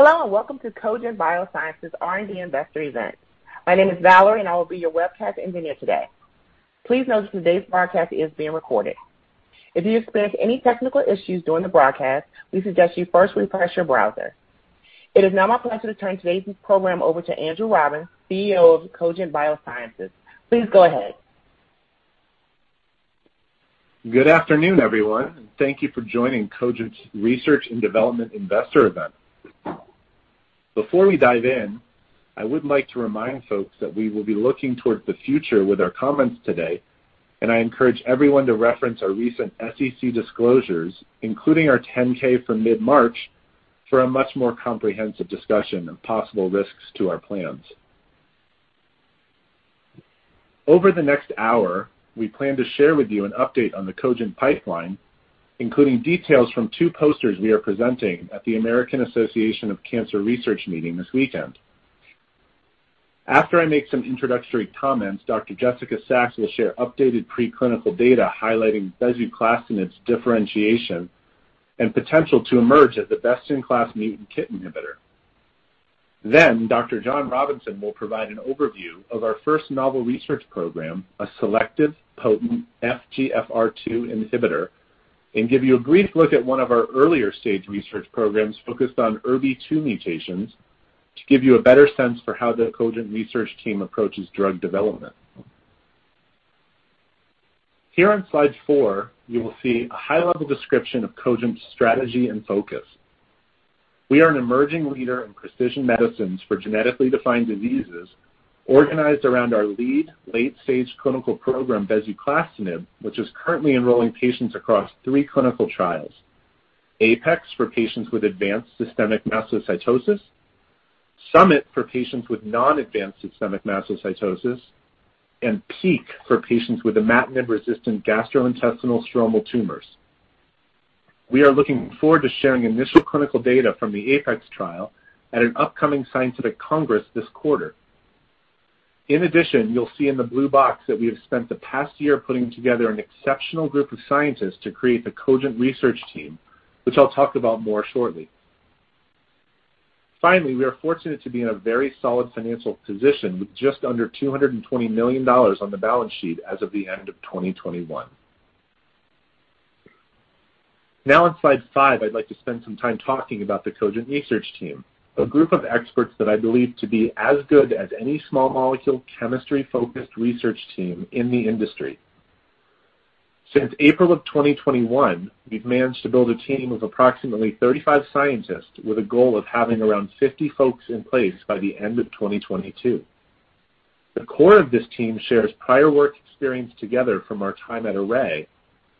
Hello and welcome to Cogent Biosciences R&D Investor Event. My name is Valerie, and I will be your webcast engineer today. Please note that today's broadcast is being recorded. If you experience any technical issues during the broadcast, we suggest you first refresh your browser. It is now my pleasure to turn today's program over to Andrew Robbins, CEO of Cogent Biosciences. Please go ahead. Good afternoon, everyone, and thank you for joining Cogent's Research and Development Investor event. Before we dive in, I would like to remind folks that we will be looking toward the future with our comments today, and I encourage everyone to reference our recent SEC disclosures, including our 10-K for mid-March, for a much more comprehensive discussion of possible risks to our plans. Over the next hour, we plan to share with you an update on the Cogent pipeline, including details from two posters we are presenting at the American Association of Cancer Research meeting this weekend. After I make some introductory comments, Dr. Jessica Sachs will share updated preclinical data highlighting bezuclastinib's differentiation and potential to emerge as the best-in-class mutant KIT inhibitor. Then, Dr. John Robinson will provide an overview of our first novel research program, a selective potent FGFR2 inhibitor, and give you a brief look at one of our earlier stage research programs focused on ERBB2 mutations to give you a better sense for how the Cogent research team approaches drug development. Here on Slide 4, you will see a high-level description of Cogent's strategy and focus. We are an emerging leader in precision medicines for genetically defined diseases organized around our lead late-stage clinical program, bezuclastinib, which is currently enrolling patients across three clinical trials: APEX for patients with advanced systemic mastocytosis, SUMMIT for patients with non-advanced systemic mastocytosis, and PEAK for patients with imatinib-resistant gastrointestinal stromal tumors. We are looking forward to sharing initial clinical data from the APEX trial at an upcoming scientific congress this quarter. In addition, you'll see in the blue box that we have spent the past year putting together an exceptional group of scientists to create the Cogent research team, which I'll talk about more shortly. Finally, we are fortunate to be in a very solid financial position with just under $220 million on the balance sheet as of the end of 2021. Now on Slide 5, I'd like to spend some time talking about the Cogent research team, a group of experts that I believe to be as good as any small molecule chemistry-focused research team in the industry. Since April of 2021, we've managed to build a team of approximately 35 scientists with a goal of having around 50 folks in place by the end of 2022. The core of this team shares prior work experience together from our time at Array,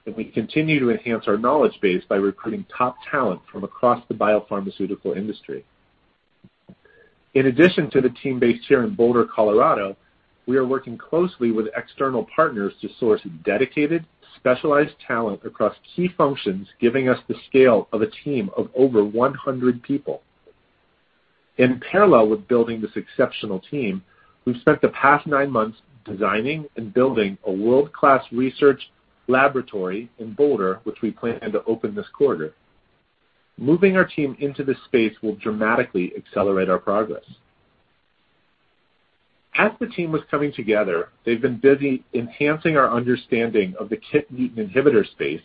and we continue to enhance our knowledge base by recruiting top talent from across the biopharmaceutical industry. In addition to the team based here in Boulder, Colorado, we are working closely with external partners to source dedicated, specialized talent across key functions, giving us the scale of a team of over 100 people. In parallel with building this exceptional team, we've spent the past nine months designing and building a world-class research laboratory in Boulder, which we plan to open this quarter. Moving our team into this space will dramatically accelerate our progress. As the team was coming together, they've been busy enhancing our understanding of the KIT mutant inhibitor space,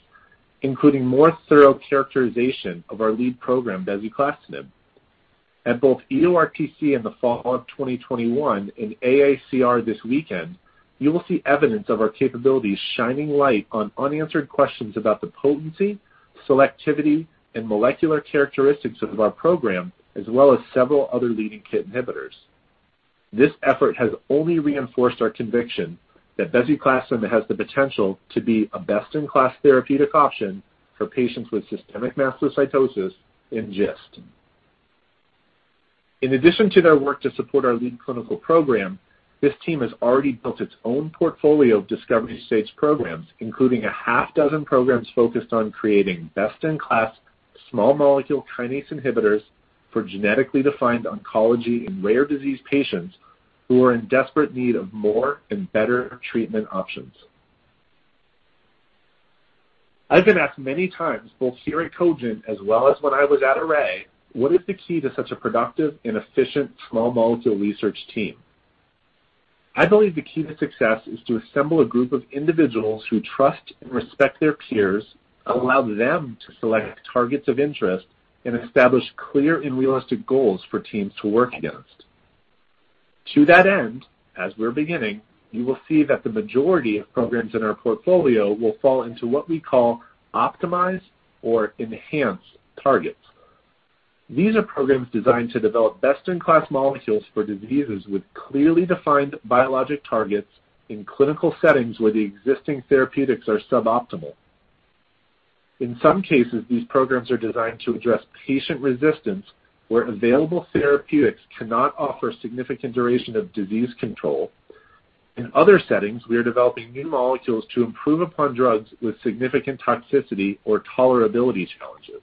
including more thorough characterization of our lead program, bezuclastinib. At both EORTC in the fall of 2021 and AACR this weekend, you will see evidence of our capabilities shining light on unanswered questions about the potency, selectivity, and molecular characteristics of our program, as well as several other leading KIT inhibitors. This effort has only reinforced our conviction that bezuclastinib has the potential to be a best-in-class therapeutic option for patients with systemic mastocytosis and GIST. In addition to their work to support our lead clinical program, this team has already built its own portfolio of discovery-stage programs, including a half dozen programs focused on creating best-in-class small molecule kinase inhibitors for genetically defined oncology in rare disease patients who are in desperate need of more and better treatment options. I've been asked many times, both here at Cogent as well as when I was at Array, what is the key to such a productive and efficient small molecule research team? I believe the key to success is to assemble a group of individuals who trust and respect their peers, allow them to select targets of interest, and establish clear and realistic goals for teams to work against. To that end, as we're beginning, you will see that the majority of programs in our portfolio will fall into what we call optimized or enhanced targets. These are programs designed to develop best-in-class molecules for diseases with clearly defined biologic targets in clinical settings where the existing therapeutics are suboptimal. In some cases, these programs are designed to address patient resistance where available therapeutics cannot offer significant duration of disease control. In other settings, we are developing new molecules to improve upon drugs with significant toxicity or tolerability challenges.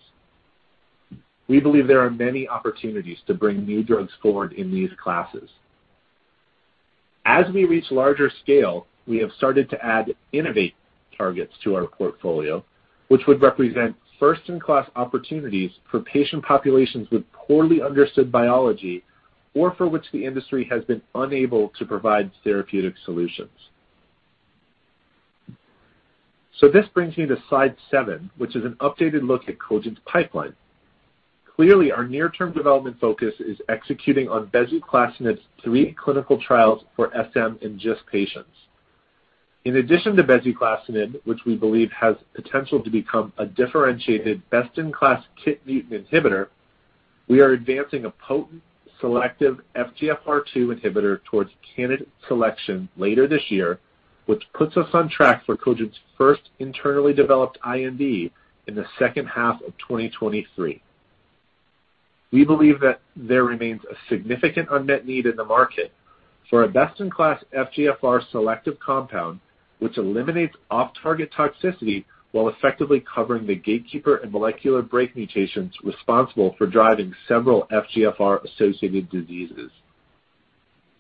We believe there are many opportunities to bring new drugs forward in these classes. As we reach larger scale, we have started to add innovative targets to our portfolio, which would represent first-in-class opportunities for patient populations with poorly understood biology or for which the industry has been unable to provide therapeutic solutions. This brings me to Slide 7, which is an updated look at Cogent's pipeline. Clearly, our near-term development focus is executing on bezuclastinib's three clinical trials for SM and GIST patients. In addition to bezuclastinib, which we believe has potential to become a differentiated best-in-class KIT mutant inhibitor, we are advancing a potent selective FGFR2 inhibitor towards candidate selection later this year, which puts us on track for Cogent's first internally developed IND in the second half of 2023. We believe that there remains a significant unmet need in the market for a best-in-class FGFR selective compound which eliminates off-target toxicity while effectively covering the gatekeeper and molecular brake mutations responsible for driving several FGFR-associated diseases.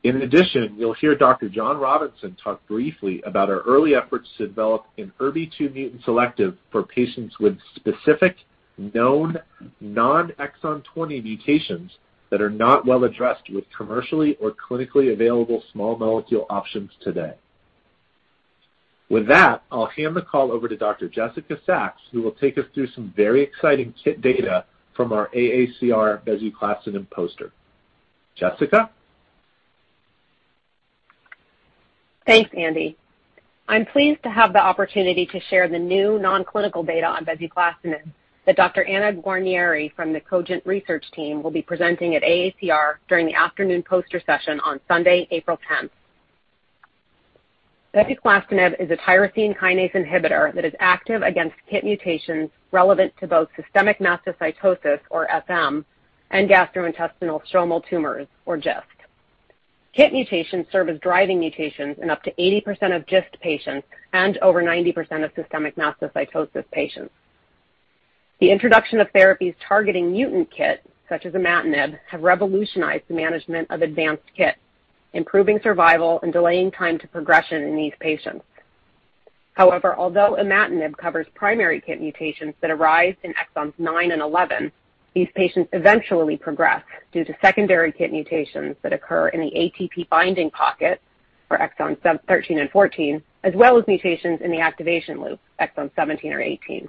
In addition, you'll hear Dr. John Robinson talk briefly about our early efforts to develop an ERBB2 mutant selective for patients with specific known non-exon 20 mutations that are not well addressed with commercially or clinically available small molecule options today. With that, I'll hand the call over to Dr.Jessica Sachs, who will take us through some very exciting KIT data from our AACR bezuclastinib poster. Jessica? Thanks, Andy. I'm pleased to have the opportunity to share the new non-clinical data on bezuclastinib that Dr. Anna Guarnieri from the Cogent research team will be presenting at AACR during the afternoon poster session on Sunday 10th, April 10. Bezuclastinib is a tyrosine kinase inhibitor that is active against KIT mutations relevant to both systemic mastocytosis, or SM, and gastrointestinal stromal tumors, or GIST. KIT mutations serve as driving mutations in up to 80% of GIST patients and over 90% of systemic mastocytosis patients. The introduction of therapies targeting mutant KIT, such as imatinib, have revolutionized the management of advanced KIT, improving survival and delaying time to progression in these patients. However, although imatinib covers primary KIT mutations that arise in exons 9 and 11, these patients eventually progress due to secondary KIT mutations that occur in the ATP-binding pocket for exons 13 and 14, as well as mutations in the activation loop, exons 17 or 18.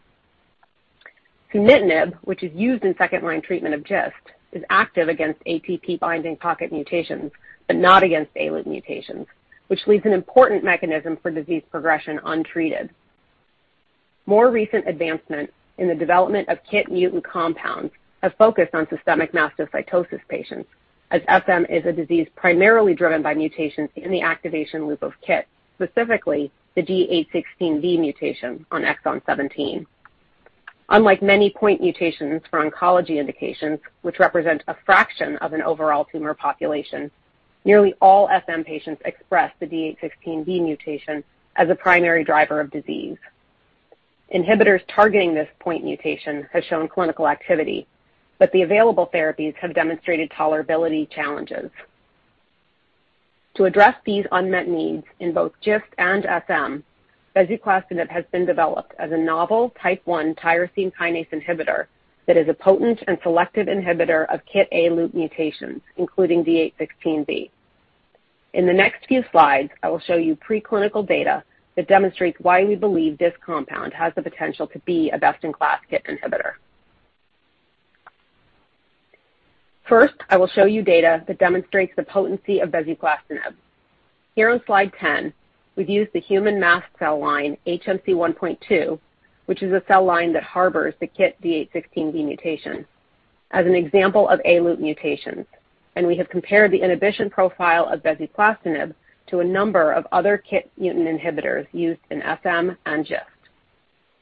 Sunitinib, which is used in second-line treatment of GIST, is active against ATP-binding pocket mutations, but not against A-loop mutations, which leaves an important mechanism for disease progression untreated. More recent advancements in the development of KIT mutant compounds have focused on systemic mastocytosis patients, as SM is a disease primarily driven by mutations in the activation loop of KIT, specifically the D816V mutation on exon 17. Unlike many point mutations for oncology indications, which represent a fraction of an overall tumor population, nearly all SM patients express the D816V mutation as a primary driver of disease. Inhibitors targeting this point mutation have shown clinical activity, but the available therapies have demonstrated tolerability challenges. To address these unmet needs in both GIST and SM, bezuclastinib has been developed as a novel type one tyrosine kinase inhibitor that is a potent and selective inhibitor of KIT A-loop mutations, including D816V. In the next few Slides, I will show you preclinical data that demonstrates why we believe this compound has the potential to be a best-in-class KIT inhibitor. First, I will show you data that demonstrates the potency of bezuclastinib. Here on Slide 10, we've used the human mast cell line HMC-1.2, which is a cell line that harbors the KIT D816V mutation, as an example of A-loop mutations, and we have compared the inhibition profile of bezuclastinib to a number of other KIT mutant inhibitors used in SM and GIST.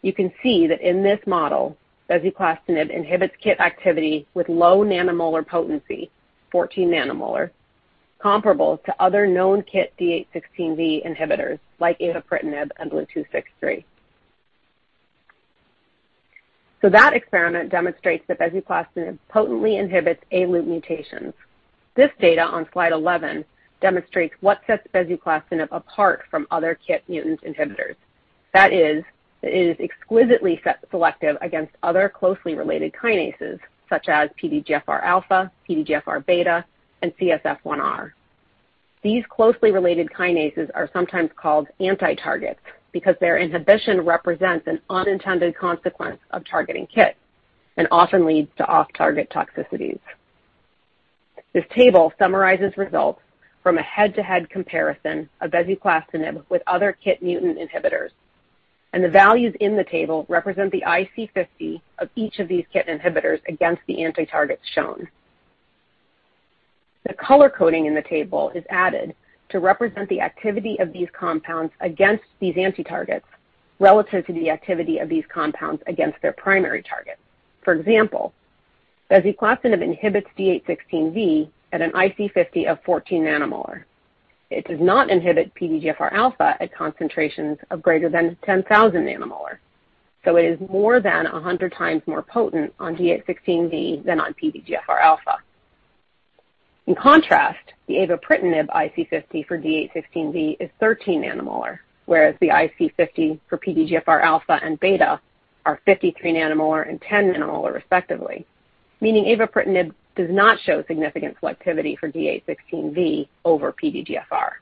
You can see that in this model, bezuclastinib inhibits KIT activity with low nanomolar potency, 14 nanomolar, comparable to other known KIT D816V inhibitors, like avapritinib and BLU-263. That experiment demonstrates that bezuclastinib potently inhibits A-loop mutations. This data on Slide 11 demonstrates what sets bezuclastinib apart from other KIT mutant inhibitors. That is, it is exquisitely selective against other closely related kinases, such as PDGFRα, PDGFRβ, and CSF1R. These closely related kinases are sometimes called anti-targets because their inhibition represents an unintended consequence of targeting KIT and often leads to off-target toxicities. This table summarizes results from a head-to-head comparison of bezuclastinib with other KIT mutant inhibitors, and the values in the table represent the IC50 of each of these KIT inhibitors against the anti-targets shown. The color coding in the table is added to represent the activity of these compounds against these anti-targets relative to the activity of these compounds against their primary targets. For example, bezuclastinib inhibits D816V at an IC50 of 14 nanomolar. It does not inhibit PDGFR alpha at concentrations of greater than 10,000 nanomolar. It is more than 100 times more potent on D816V than on PDGFR alpha. In contrast, the avapritinib IC50 for D816V is 13 nanomolar, whereas the IC50 for PDGFR alpha and beta are 53 nanomolar and 10 nanomolar, respectively. Meaning avapritinib does not show significant selectivity for D816V over PDGFR.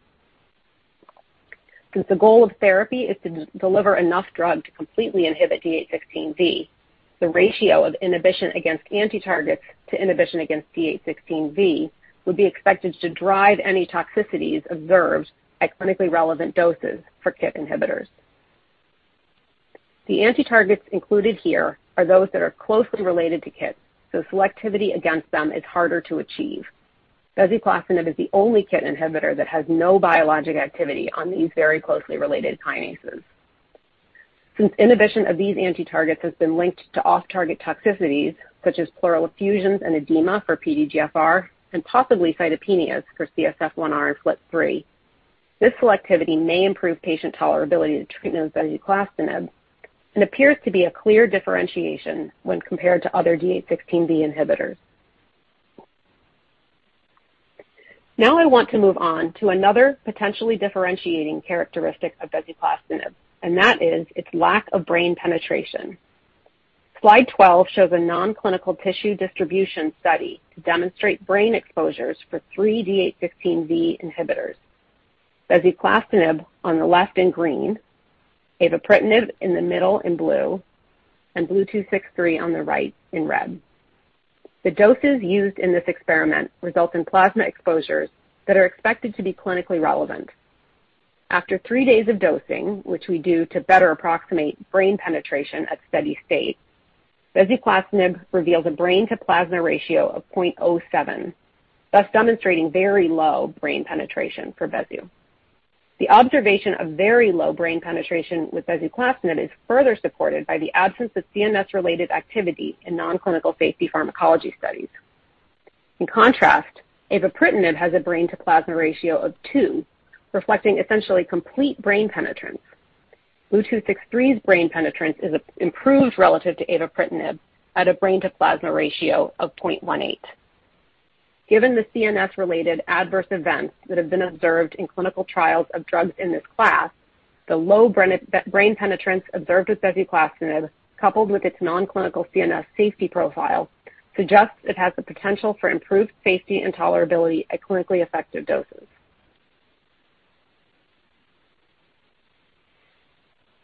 Since the goal of therapy is to deliver enough drug to completely inhibit D816V, the ratio of inhibition against anti-targets to inhibition against D816V would be expected to drive any toxicities observed at clinically relevant doses for KIT inhibitors. The anti-targets included here are those that are closely related to KIT, so selectivity against them is harder to achieve. Bezuclastinib is the only KIT inhibitor that has no biologic activity on these very closely related kinases. Since inhibition of these anti-targets has been linked to off-target toxicities, such as pleural effusions and edema for PDGFR and possibly cytopenias for CSF1R and FLT3, this selectivity may improve patient tolerability to treatment with bezuclastinib and appears to be a clear differentiation when compared to other D816V inhibitors. Now I want to move on to another potentially differentiating characteristic of bezuclastinib, and that is its lack of brain penetration. Slide 12 shows a non-clinical tissue distribution study to demonstrate brain exposures for three D816V inhibitors. Bezuclastinib on the left in green, avapritinib in the middle in blue, and BLU-263 on the right in red. The doses used in this experiment result in plasma exposures that are expected to be clinically relevant. After three days of dosing, which we do to better approximate brain penetration at steady state, bezuclastinib reveals a brain to plasma ratio of 0.07, thus demonstrating very low brain penetration for bezuclastinib. The observation of very low brain penetration with bezuclastinib is further supported by the absence of CNS-related activity in non-clinical safety pharmacology studies. In contrast, avapritinib has a brain to plasma ratio of two, reflecting essentially complete brain penetrance. BLU-263's brain penetrance is improved relative to avapritinib at a brain to plasma ratio of 0.18. Given the CNS-related adverse events that have been observed in clinical trials of drugs in this class, the low brain penetrance observed with bezuclastinib, coupled with its non-clinical CNS safety profile, suggests it has the potential for improved safety and tolerability at clinically effective doses.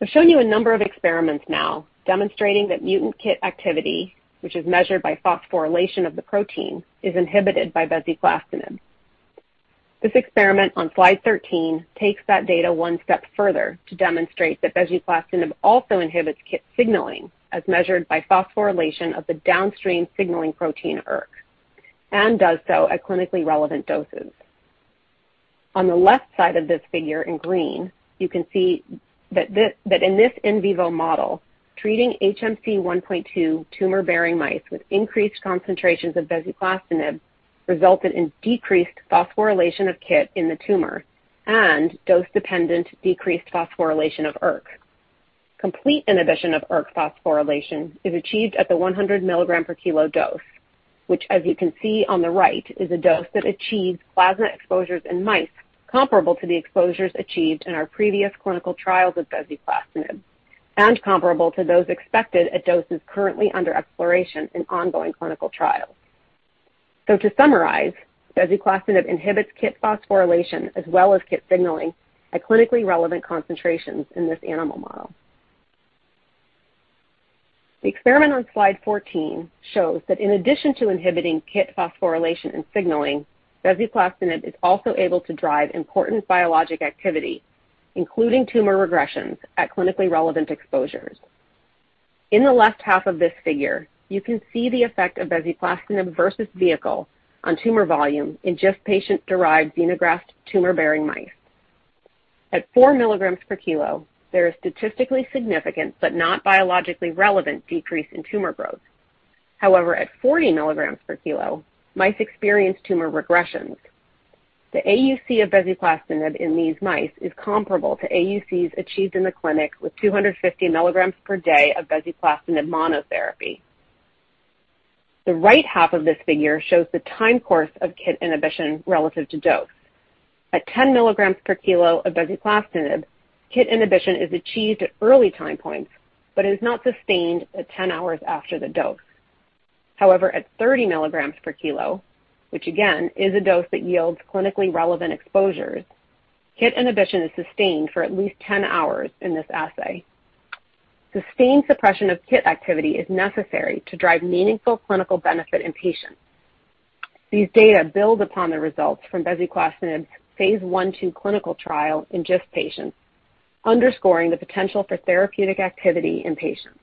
I've shown you a number of experiments now demonstrating that mutant KIT activity, which is measured by phosphorylation of the protein, is inhibited by bezuclastinib. This experiment on Slide 13 takes that data one step further to demonstrate that bezuclastinib also inhibits KIT signaling, as measured by phosphorylation of the downstream signaling protein ERK, and does so at clinically relevant doses. On the left side of this figure in green, you can see that in this in vivo model, treating HMC-1.2 tumor-bearing mice with increased concentrations of bezuclastinib resulted in decreased phosphorylation of KIT in the tumor and dose-dependent decreased phosphorylation of ERK. Complete inhibition of ERK phosphorylation is achieved at the 100 mg/kg dose, which, as you can see on the right, is a dose that achieves plasma exposures in mice comparable to the exposures achieved in our previous clinical trials of bezuclastinib and comparable to those expected at doses currently under exploration in ongoing clinical trials. To summarize, bezuclastinib inhibits KIT phosphorylation as well as KIT signaling at clinically relevant concentrations in this animal model. The experiment on Slide 14 shows that in addition to inhibiting KIT phosphorylation and signaling, bezuclastinib is also able to drive important biologic activity, including tumor regressions at clinically relevant exposures. In the left half of this figure, you can see the effect of bezuclastinib versus vehicle on tumor volume in GIST patient-derived xenograft tumor-bearing mice. At 4 mg/kg, there is statistically significant but not biologically relevant decrease in tumor growth. However, at 40 mg/kg, mice experience tumor regressions. The AUC of bezuclastinib in these mice is comparable to AUCs achieved in the clinic with 250 mg per day of bezuclastinib monotherapy. The right half of this figure shows the time course of KIT inhibition relative to dose. At 10 mg/kg of bezuclastinib, KIT inhibition is achieved at early time points, but is not sustained at 10 hours after the dose. However, at 30 mg/kg, which again is a dose that yields clinically relevant exposures, KIT inhibition is sustained for at least 10 hours in this assay. Sustained suppression of KIT activity is necessary to drive meaningful clinical benefit in patients. These data build upon the results from bezuclastinib's phase I/II clinical trial in GIST patients, underscoring the potential for therapeutic activity in patients.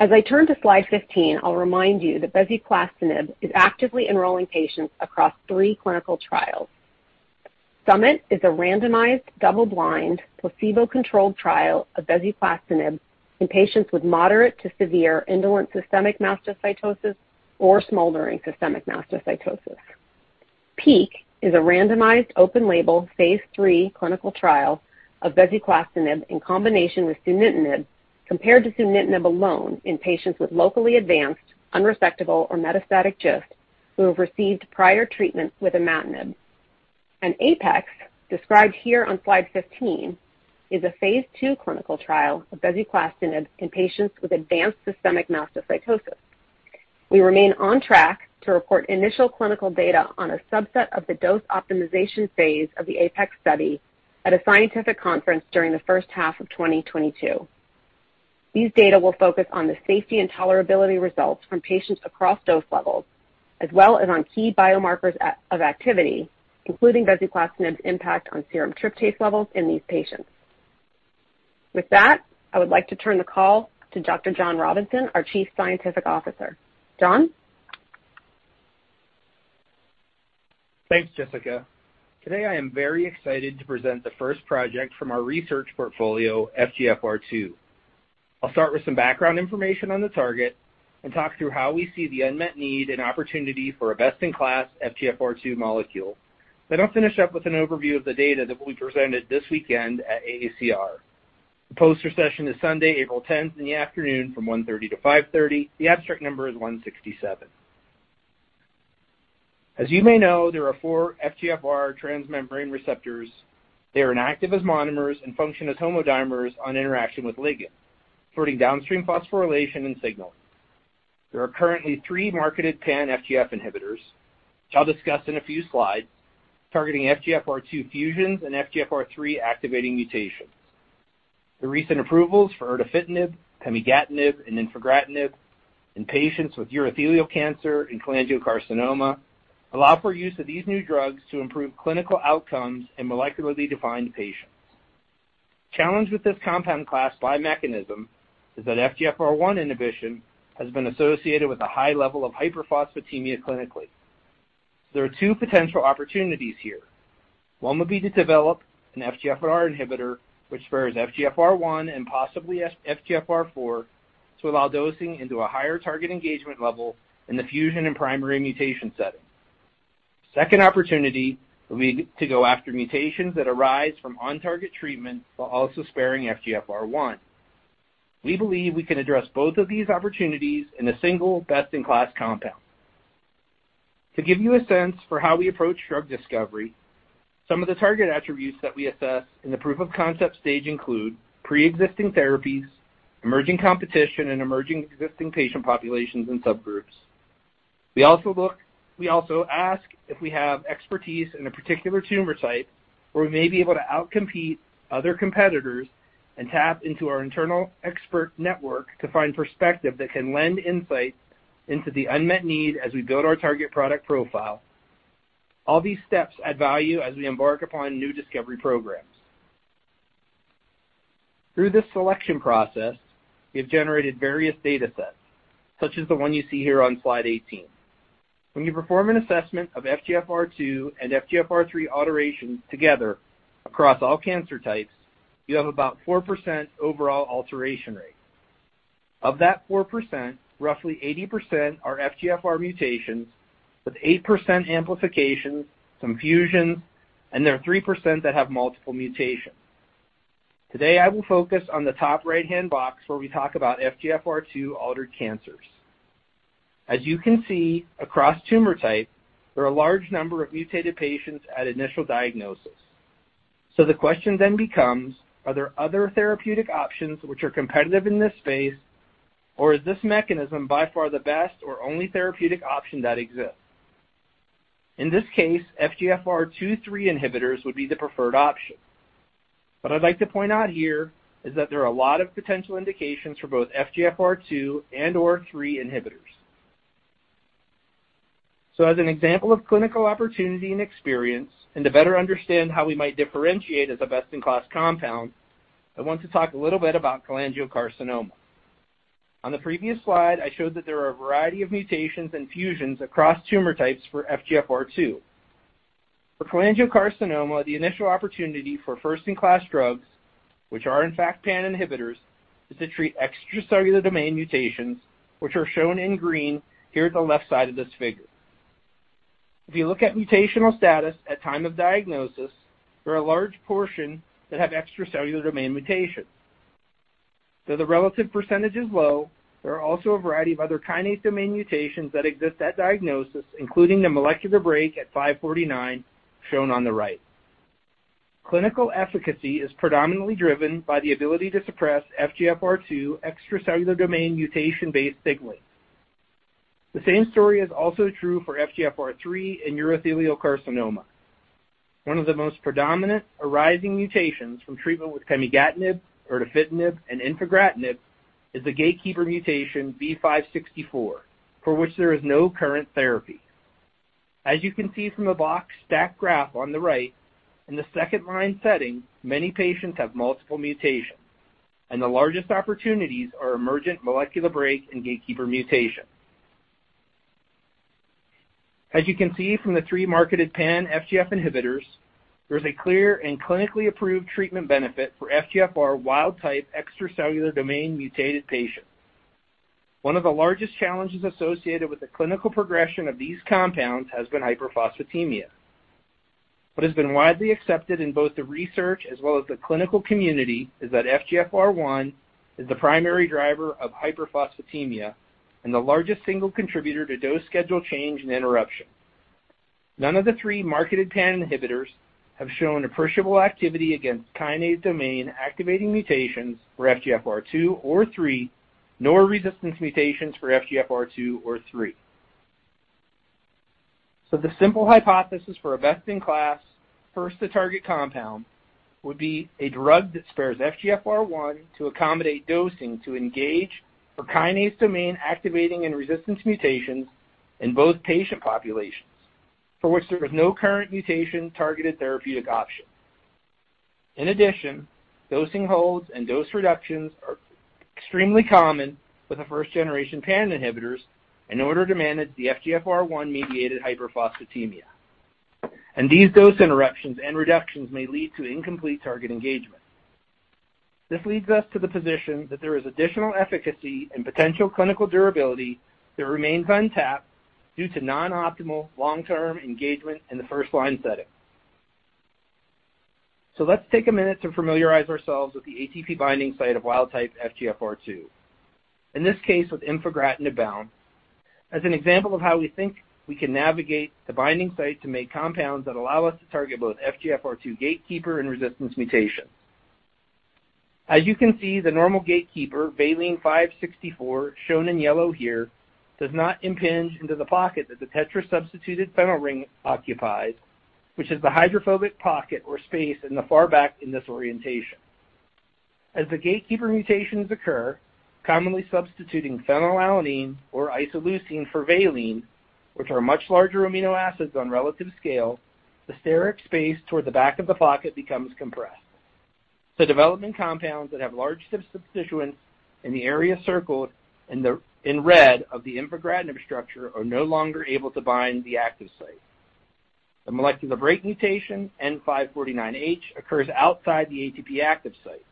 As I turn to Slide 15, I'll remind you that bezuclastinib is actively enrolling patients across three clinical trials. SUMMIT is a randomized, double-blind, placebo-controlled trial of bezuclastinib in patients with moderate to severe indolent systemic mastocytosis or smoldering systemic mastocytosis. PEAK is a randomized open-label phase III clinical trial of bezuclastinib in combination with sunitinib compared to sunitinib alone in patients with locally advanced, unresectable or metastatic GIST who have received prior treatment with imatinib. APEX, described here on Slide 15, is a phase II clinical trial of bezuclastinib in patients with advanced systemic mastocytosis. We remain on track to report initial clinical data on a subset of the dose optimization phase of the APEX study at a scientific conference during the first half of 2022. These data will focus on the safety and tolerability results from patients across dose levels, as well as on key biomarkers of activity, including bezuclastinib impact on serum tryptase levels in these patients. With that, I would like to turn the call to Dr. John Robinson, our Chief Scientific Officer. John? Thanks, Jessica. Today I am very excited to present the first project from our research portfolio, FGFR2. I'll start with some background information on the target and talk through how we see the unmet need and opportunity for a best-in-class FGFR2 molecule. I'll finish up with an overview of the data that we presented this weekend at AACR. The poster session is Sunday, April 10th in the afternoon from 1:30 P.M. to 5:30 P.M. The abstract number is 167. As you may know, there are four FGFR transmembrane receptors. They are inactive as monomers and function as homodimers on interaction with ligand, sorting downstream phosphorylation and signaling. There are currently three marketed pan-FGFR inhibitors, which I'll discuss in a few Slides, targeting FGFR2 fusions and FGFR3 activating mutations. The recent approvals for erdafitinib, pemigatinib, and infigratinib in patients with urothelial cancer and cholangiocarcinoma allow for use of these new drugs to improve clinical outcomes in molecularly defined patients. The challenge with this compound class by mechanism is that FGFR1 inhibition has been associated with a high level of hyperphosphatemia clinically. There are two potential opportunities here. One would be to develop an FGFR inhibitor which spares FGFR1 and possibly FGFR4 to allow dosing into a higher target engagement level in the fusion and primary mutation setting. Second opportunity will be to go after mutations that arise from on-target treatment while also sparing FGFR1. We believe we can address both of these opportunities in a single best-in-class compound. To give you a sense for how we approach drug discovery, some of the target attributes that we assess in the proof of concept stage include pre-existing therapies, emerging competition and emerging existing patient populations and subgroups. We also ask if we have expertise in a particular tumor site where we may be able to outcompete other competitors and tap into our internal expert network to find perspective that can lend insight into the unmet need as we build our target product profile. All these steps add value as we embark upon new discovery programs. Through this selection process, we have generated various datasets, such as the one you see here on Slide 18. When you perform an assessment of FGFR2 and FGFR3 alterations together across all cancer types, you have about 4% overall alteration rate. Of that 4%, roughly 80% are FGFR mutations with 8% amplifications, some fusions, and there are 3% that have multiple mutations. Today I will focus on the top right-hand box where we talk about FGFR2 altered cancers. As you can see across tumor type, there are a large number of mutated patients at initial diagnosis. The question then becomes, are there other therapeutic options which are competitive in this space, or is this mechanism by far the best or only therapeutic option that exists? In this case, FGFR2/3 inhibitors would be the preferred option. What I'd like to point out here is that there are a lot of potential indications for both FGFR2 and/or FGFR3 inhibitors. As an example of clinical opportunity and experience, and to better understand how we might differentiate as a best-in-class compound, I want to talk a little bit about cholangiocarcinoma. On the previous Slide, I showed that there are a variety of mutations and fusions across tumor types for FGFR2. For cholangiocarcinoma, the initial opportunity for first-in-class drugs, which are in fact pan inhibitors, is to treat extracellular domain mutations, which are shown in green here at the left side of this figure. If you look at mutational status at time of diagnosis, there are a large portion that have extracellular domain mutations. Though the relative percentage is low, there are also a variety of other kinase domain mutations that exist at diagnosis, including the molecular break N549 shown on the right. Clinical efficacy is predominantly driven by the ability to suppress FGFR2 extracellular domain mutation-based signaling. The same story is also true for FGFR3 in urothelial carcinoma. One of the most predominant arising mutations from treatment with pemigatinib, erdafitinib, and infigratinib is the gatekeeper mutation V564, for which there is no current therapy. As you can see from the box stat graph on the right, in the second-line setting, many patients have multiple mutations, and the largest opportunities are emergent molecular break and gatekeeper mutation. As you can see from the three marketed pan-FGFR inhibitors, there is a clear and clinically approved treatment benefit for FGFR wild-type extracellular domain mutated patients. One of the largest challenges associated with the clinical progression of these compounds has been hyperphosphatemia. What has been widely accepted in both the research as well as the clinical community is that FGFR1 is the primary driver of hyperphosphatemia and the largest single contributor to dose schedule change and interruption. None of the three marketed pan-FGFR inhibitors have shown appreciable activity against kinase domain activating mutations for FGFR2 or FGFR3, nor resistance mutations for FGFR2 or FGFR3. The simple hypothesis for a best-in-class first to target compound would be a drug that spares FGFR1 to accommodate dosing to engage for kinase domain activating and resistance mutations in both patient populations, for which there is no current mutation-targeted therapeutic option. In addition, dosing holds and dose reductions are extremely common with the first-generation pan-FGFR inhibitors in order to manage the FGFR1-mediated hyperphosphatemia, and these dose interruptions and reductions may lead to incomplete target engagement. This leads us to the position that there is additional efficacy and potential clinical durability that remains untapped due to non-optimal long-term engagement in the first-line setting. Let's take a minute to familiarize ourselves with the ATP binding site of wild-type FGFR2, in this case with imatinib bound, as an example of how we think we can navigate the binding site to make compounds that allow us to target both FGFR2 gatekeeper and resistance mutations. As you can see, the normal gatekeeper, valine 564, shown in yellow here, does not impinge into the pocket that the tetra-substituted phenyl ring occupies, which is the hydrophobic pocket or space in the far back in this orientation. As the gatekeeper mutations occur, commonly substituting phenylalanine or isoleucine for valine, which are much larger amino acids on a relative scale, the steric space toward the back of the pocket becomes compressed. Development compounds that have large substituents in the area circled in red of the infigratinib structure are no longer able to bind the active site. The molecular brake mutation, N549H, occurs outside the ATP active site.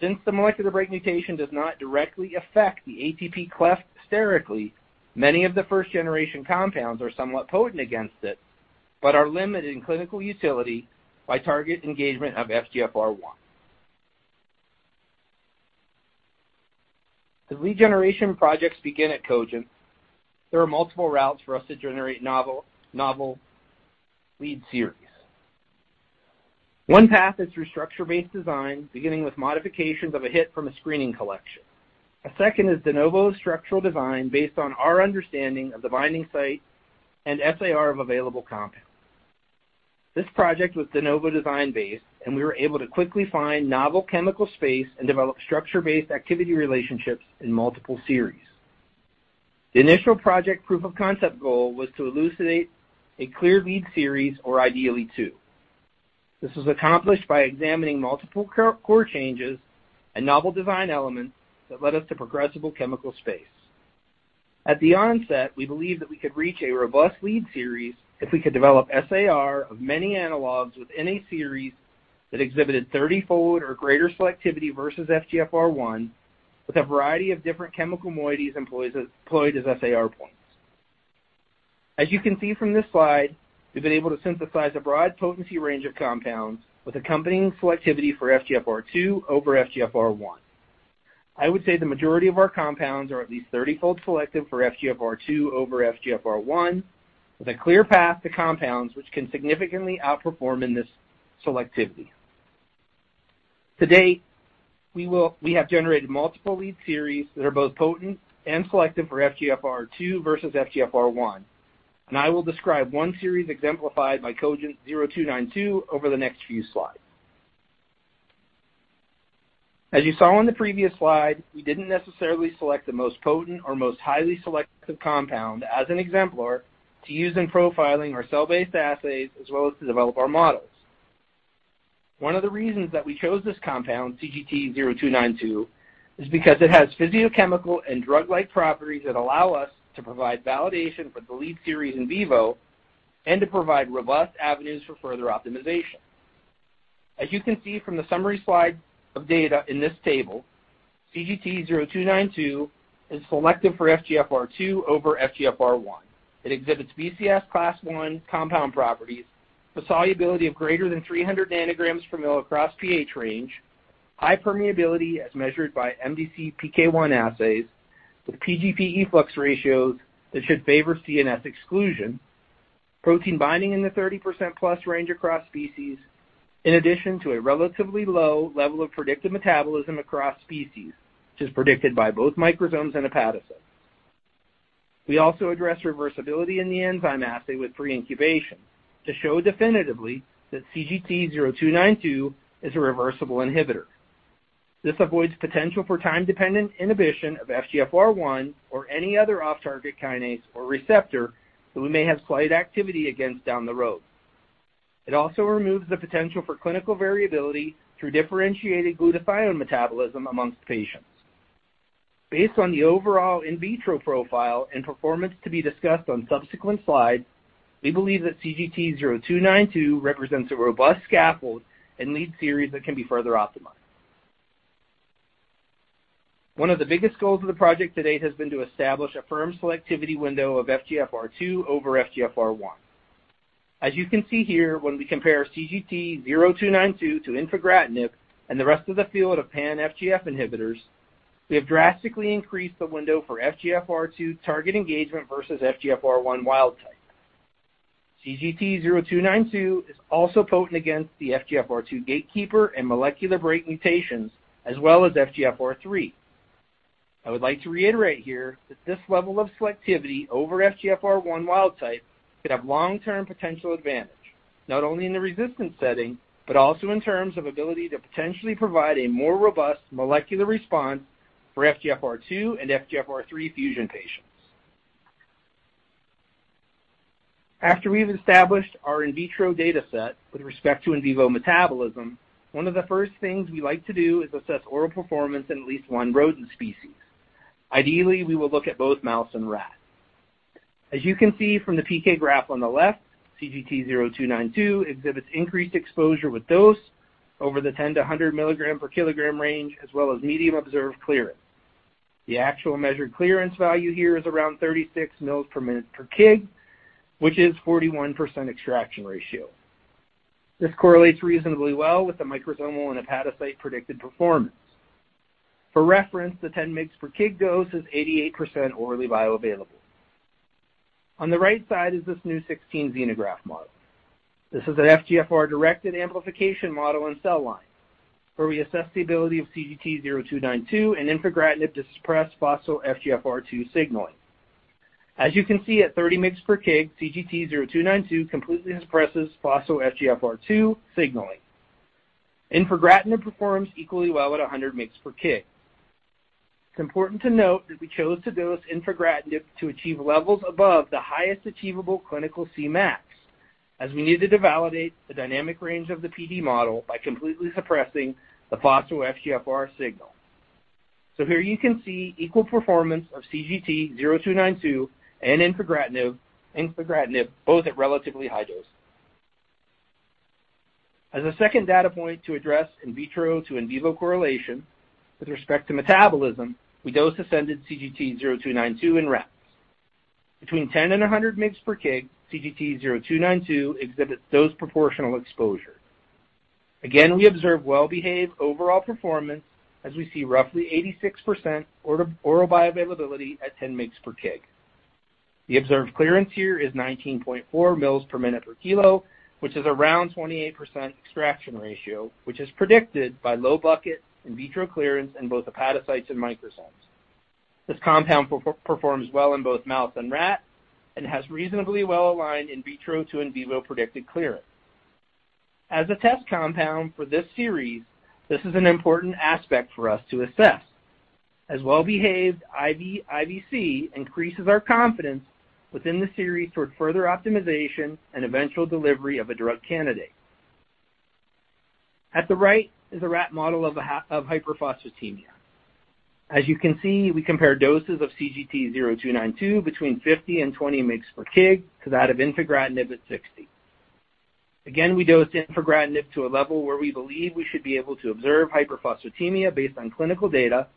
Since the molecular brake mutation does not directly affect the ATP cleft sterically, many of the first generation compounds are somewhat potent against it, but are limited in clinical utility by target engagement of FGFR1. As lead generation projects begin at Cogent, there are multiple routes for us to generate novel lead series. One path is through structure-based design, beginning with modifications of a hit from a screening collection. A second is de novo structural design based on our understanding of the binding site and SAR of available compounds. This project was de novo design-based, and we were able to quickly find novel chemical space and develop structure-activity relationships in multiple series. The initial project proof of concept goal was to elucidate a clear lead series, or ideally two. This was accomplished by examining multiple core changes and novel design elements that led us to progressible chemical space. At the onset, we believed that we could reach a robust lead series if we could develop SAR of many analogs within a series that exhibited thirty-fold or greater selectivity versus FGFR1, with a variety of different chemical moieties employed as SAR points. As you can see from this Slide, we've been able to synthesize a broad potency range of compounds with accompanying selectivity for FGFR2 over FGFR1. I would say the majority of our compounds are at least 30-fold selective for FGFR2 over FGFR1, with a clear path to compounds which can significantly outperform in this selectivity. To date, we have generated multiple lead series that are both potent and selective for FGFR2 versus FGFR1, and I will describe one series exemplified by CGT-0292 over the next few slides. As you saw in the previous slide, we didn't necessarily select the most potent or most highly selective compound as an exemplar to use in profiling our cell-based assays, as well as to develop our models. One of the reasons that we chose this compound, CGT-0292, is because it has physicochemical and drug-like properties that allow us to provide validation for the lead series in vivo and to provide robust avenues for further optimization. As you can see from the summary slide of data in this table, CGT-0292 is selective for FGFR2 over FGFR1. It exhibits BCS class 1 compound properties with a solubility of greater than 300 nanograms per mL across pH range, high permeability as measured by MDCK-1 assays, with PGP efflux ratios that should favor CNS exclusion, protein binding in the 30%+ range across species, in addition to a relatively low level of predicted metabolism across species, which is predicted by both microsomes and hepatocyte. We also address reversibility in the enzyme assay with preincubation to show definitively that CGT-0292 is a reversible inhibitor. This avoids potential for time-dependent inhibition of FGFR1 or any other off-target kinase or receptor that we may have slight activity against down the road. It also removes the potential for clinical variability through differentiated glutathione metabolism amongst patients. Based on the overall in vitro profile and performance to be discussed on subsequent Slides, we believe that CGT-0292 represents a robust scaffold and lead series that can be further optimized. One of the biggest goals of the project to date has been to establish a firm selectivity window of FGFR2 over FGFR1. As you can see here, when we compare CGT-0292 to infigratinib and the rest of the field of pan-FGFR inhibitors, we have drastically increased the window for FGFR2 target engagement versus FGFR1 wild type. CGT-0292 is also potent against the FGFR2 gatekeeper and molecular brake mutations, as well as FGFR3. I would like to reiterate here that this level of selectivity over FGFR1 wild type could have long-term potential advantage, not only in the resistance setting, but also in terms of ability to potentially provide a more robust molecular response for FGFR2 and FGFR3 fusion patients. After we've established our in vitro data set with respect to in vivo metabolism, one of the first things we like to do is assess oral performance in at least one rodent species. Ideally, we will look at both mouse and rat. As you can see from the PK graph on the left, CGT-0292 exhibits increased exposure with dose over the 10-100 mg/kg range, as well as medium observed clearance. The actual measured clearance value here is around 36 mL/min/kg, which is 41% extraction ratio. This correlates reasonably well with the microsomal and hepatocyte predicted performance. For reference, the 10 mg/kg dose is 88% orally bioavailable. On the right side is this new SNU-16 xenograft model. This is an FGFR-directed amplification model and cell line, where we assess the ability of CGT-0292 and infigratinib to suppress phospho-FGFR2 signaling. As you can see, at 30 mg/kg, CGT-0292 completely suppresses phospho-FGFR2 signaling. Infigratinib performs equally well at 100 mg/kg. It's important to note that we chose to dose infigratinib to achieve levels above the highest achievable clinical Cmax, as we needed to validate the dynamic range of the PD model by completely suppressing the phospho-FGFR signal. Here you can see equal performance of CGT-0292 and infigratinib both at relatively high dosing. As a second data point to address in vitro to in vivo correlation with respect to metabolism, we dose escalated CGT-0292 in rats. Between 10 and 100 mg/kg, CGT-0292 exhibits dose proportional exposure. Again, we observe well-behaved overall performance, as we see roughly 86% oral bioavailability at 10 mg/kg. The observed clearance here is 19.4 ml/min/kg, which is around 28% extraction ratio, which is predicted by low but in vitro clearance in both hepatocytes and microsomes. This compound performs well in both mouse and rat and has reasonably well-aligned in vitro to in vivo predicted clearance. As a test compound for this series, this is an important aspect for us to assess, as well-behaved IVIVC increases our confidence within the series toward further optimization and eventual delivery of a drug candidate. At the right is a rat model of hyperphosphatemia. As you can see, we compare doses of CGT-0292 between 50 and 20 mg per kg to that of infigratinib at 60. Again, we dosed infigratinib to a level where we believe we should be able to observe hyperphosphatemia based on clinical data.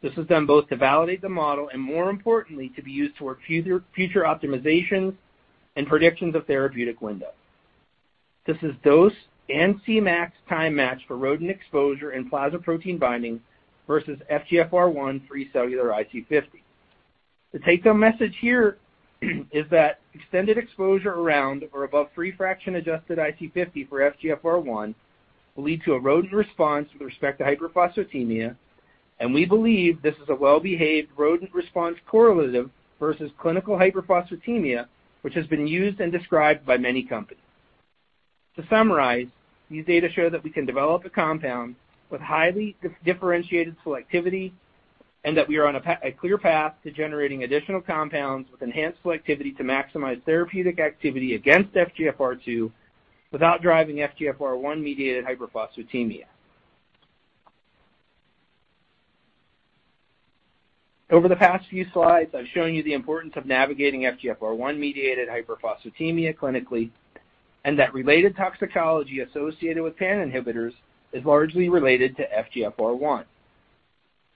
This was done both to validate the model and, more importantly, to be used toward future optimizations and predictions of therapeutic window. This is dose and Cmax time match for rodent exposure and plasma protein binding versus FGFR1 free cellular IC50. The take-home message here is that extended exposure around or above three fraction adjusted IC50 for FGFR1 will lead to a rodent response with respect to hyperphosphatemia, and we believe this is a well-behaved rodent response correlative versus clinical hyperphosphatemia, which has been used and described by many companies. To summarize, these data show that we can develop a compound with highly differentiated selectivity and that we are on a clear path to generating additional compounds with enhanced selectivity to maximize therapeutic activity against FGFR2 without driving FGFR1-mediated hyperphosphatemia. Over the past few slides, I've shown you the importance of navigating FGFR1-mediated hyperphosphatemia clinically, and that related toxicology associated with pan inhibitors is largely related to FGFR1.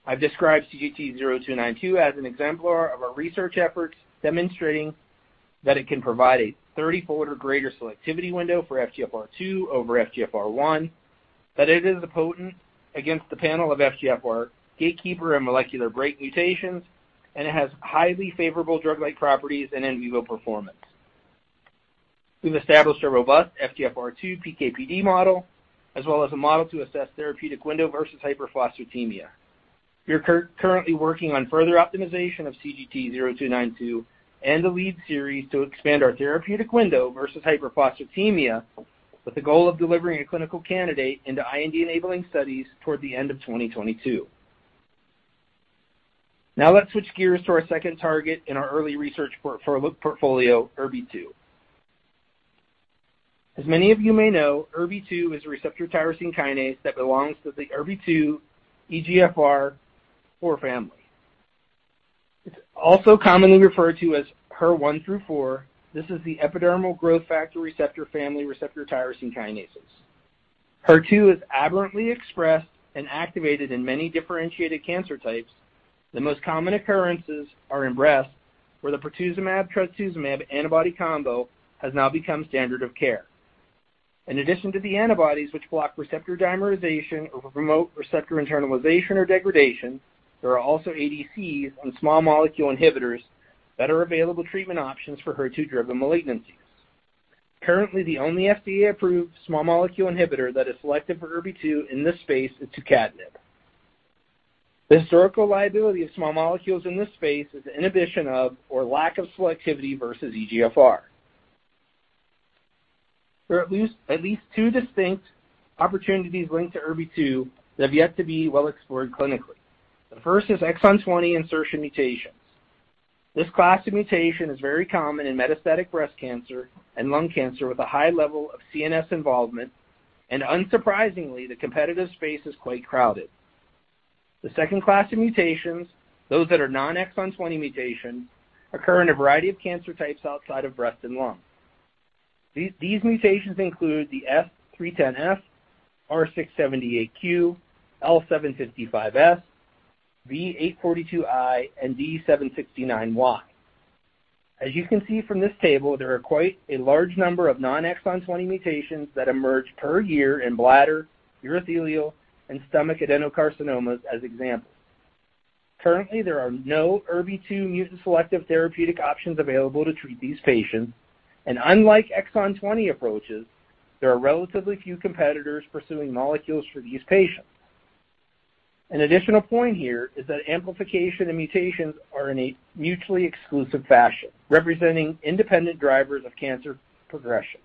I've described CGT-0292 as an exemplar of our research efforts, demonstrating that it can provide a 30-fold or greater selectivity window for FGFR2 over FGFR1, that it is potent against the panel of FGFR gatekeeper and molecular brake mutations, and it has highly favorable drug-like properties and in vivo performance. We've established a robust FGFR2 PK/PD model, as well as a model to assess therapeutic window versus hyperphosphatemia. We are currently working on further optimization of CGT-0292 and the lead series to expand our therapeutic window versus hyperphosphatemia with the goal of delivering a clinical candidate into IND-enabling studies toward the end of 2022. Now let's switch gears to our second target in our early research portfolio, ERBB2. As many of you may know, ERBB2 is a receptor tyrosine kinase that belongs to the ERBB2 EGFR four family. It's also commonly referred to as HER one through four. This is the epidermal growth factor receptor family receptor tyrosine kinases. HER2 is aberrantly expressed and activated in many differentiated cancer types. The most common occurrences are in breast, where the Pertuzumab/Trastuzumab antibody combo has now become standard of care. In addition to the antibodies which block receptor dimerization or promote receptor internalization or degradation, there are also ADCs and small molecule inhibitors that are available treatment options for HER2-driven malignancies. Currently, the only FDA-approved small molecule inhibitor that is selective for ERBB2 in this space is Tucatinib. The historical liability of small molecules in this space is inhibition of or lack of selectivity versus EGFR. There are at least two distinct opportunities linked to ERBB2 that have yet to be well explored clinically. The first is exon 20 insertion mutations. This class of mutation is very common in metastatic breast cancer and lung cancer with a high level of CNS involvement, and unsurprisingly, the competitive space is quite crowded. The second class of mutations, those that are non-exon 20 mutations, occur in a variety of cancer types outside of breast and lung. These mutations include the S310F, R678Q, L755S, V842I, and D769Y. As you can see from this table, there are quite a large number of non-exon 20 mutations that emerge per year in bladder, urothelial, and stomach adenocarcinomas as examples. Currently, there are no ERBB2 mutant-selective therapeutic options available to treat these patients, and unlike exon 20 approaches, there are relatively few competitors pursuing molecules for these patients. An additional point here is that amplification and mutations are in a mutually exclusive fashion, representing independent drivers of cancer progression.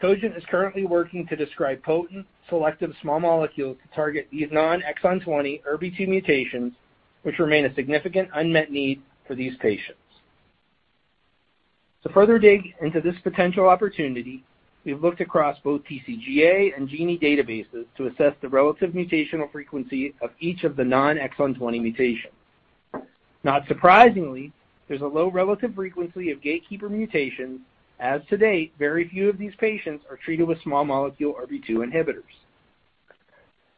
Cogent is currently working to describe potent selective small molecules to target these non-exon 20 ERBB2 mutations, which remain a significant unmet need for these patients. To further dig into this potential opportunity, we've looked across both TCGA and GENIE databases to assess the relative mutational frequency of each of the non-exon 20 mutations. Not surprisingly, there's a low relative frequency of gatekeeper mutations, as to date, very few of these patients are treated with small molecule ERBB2 inhibitors.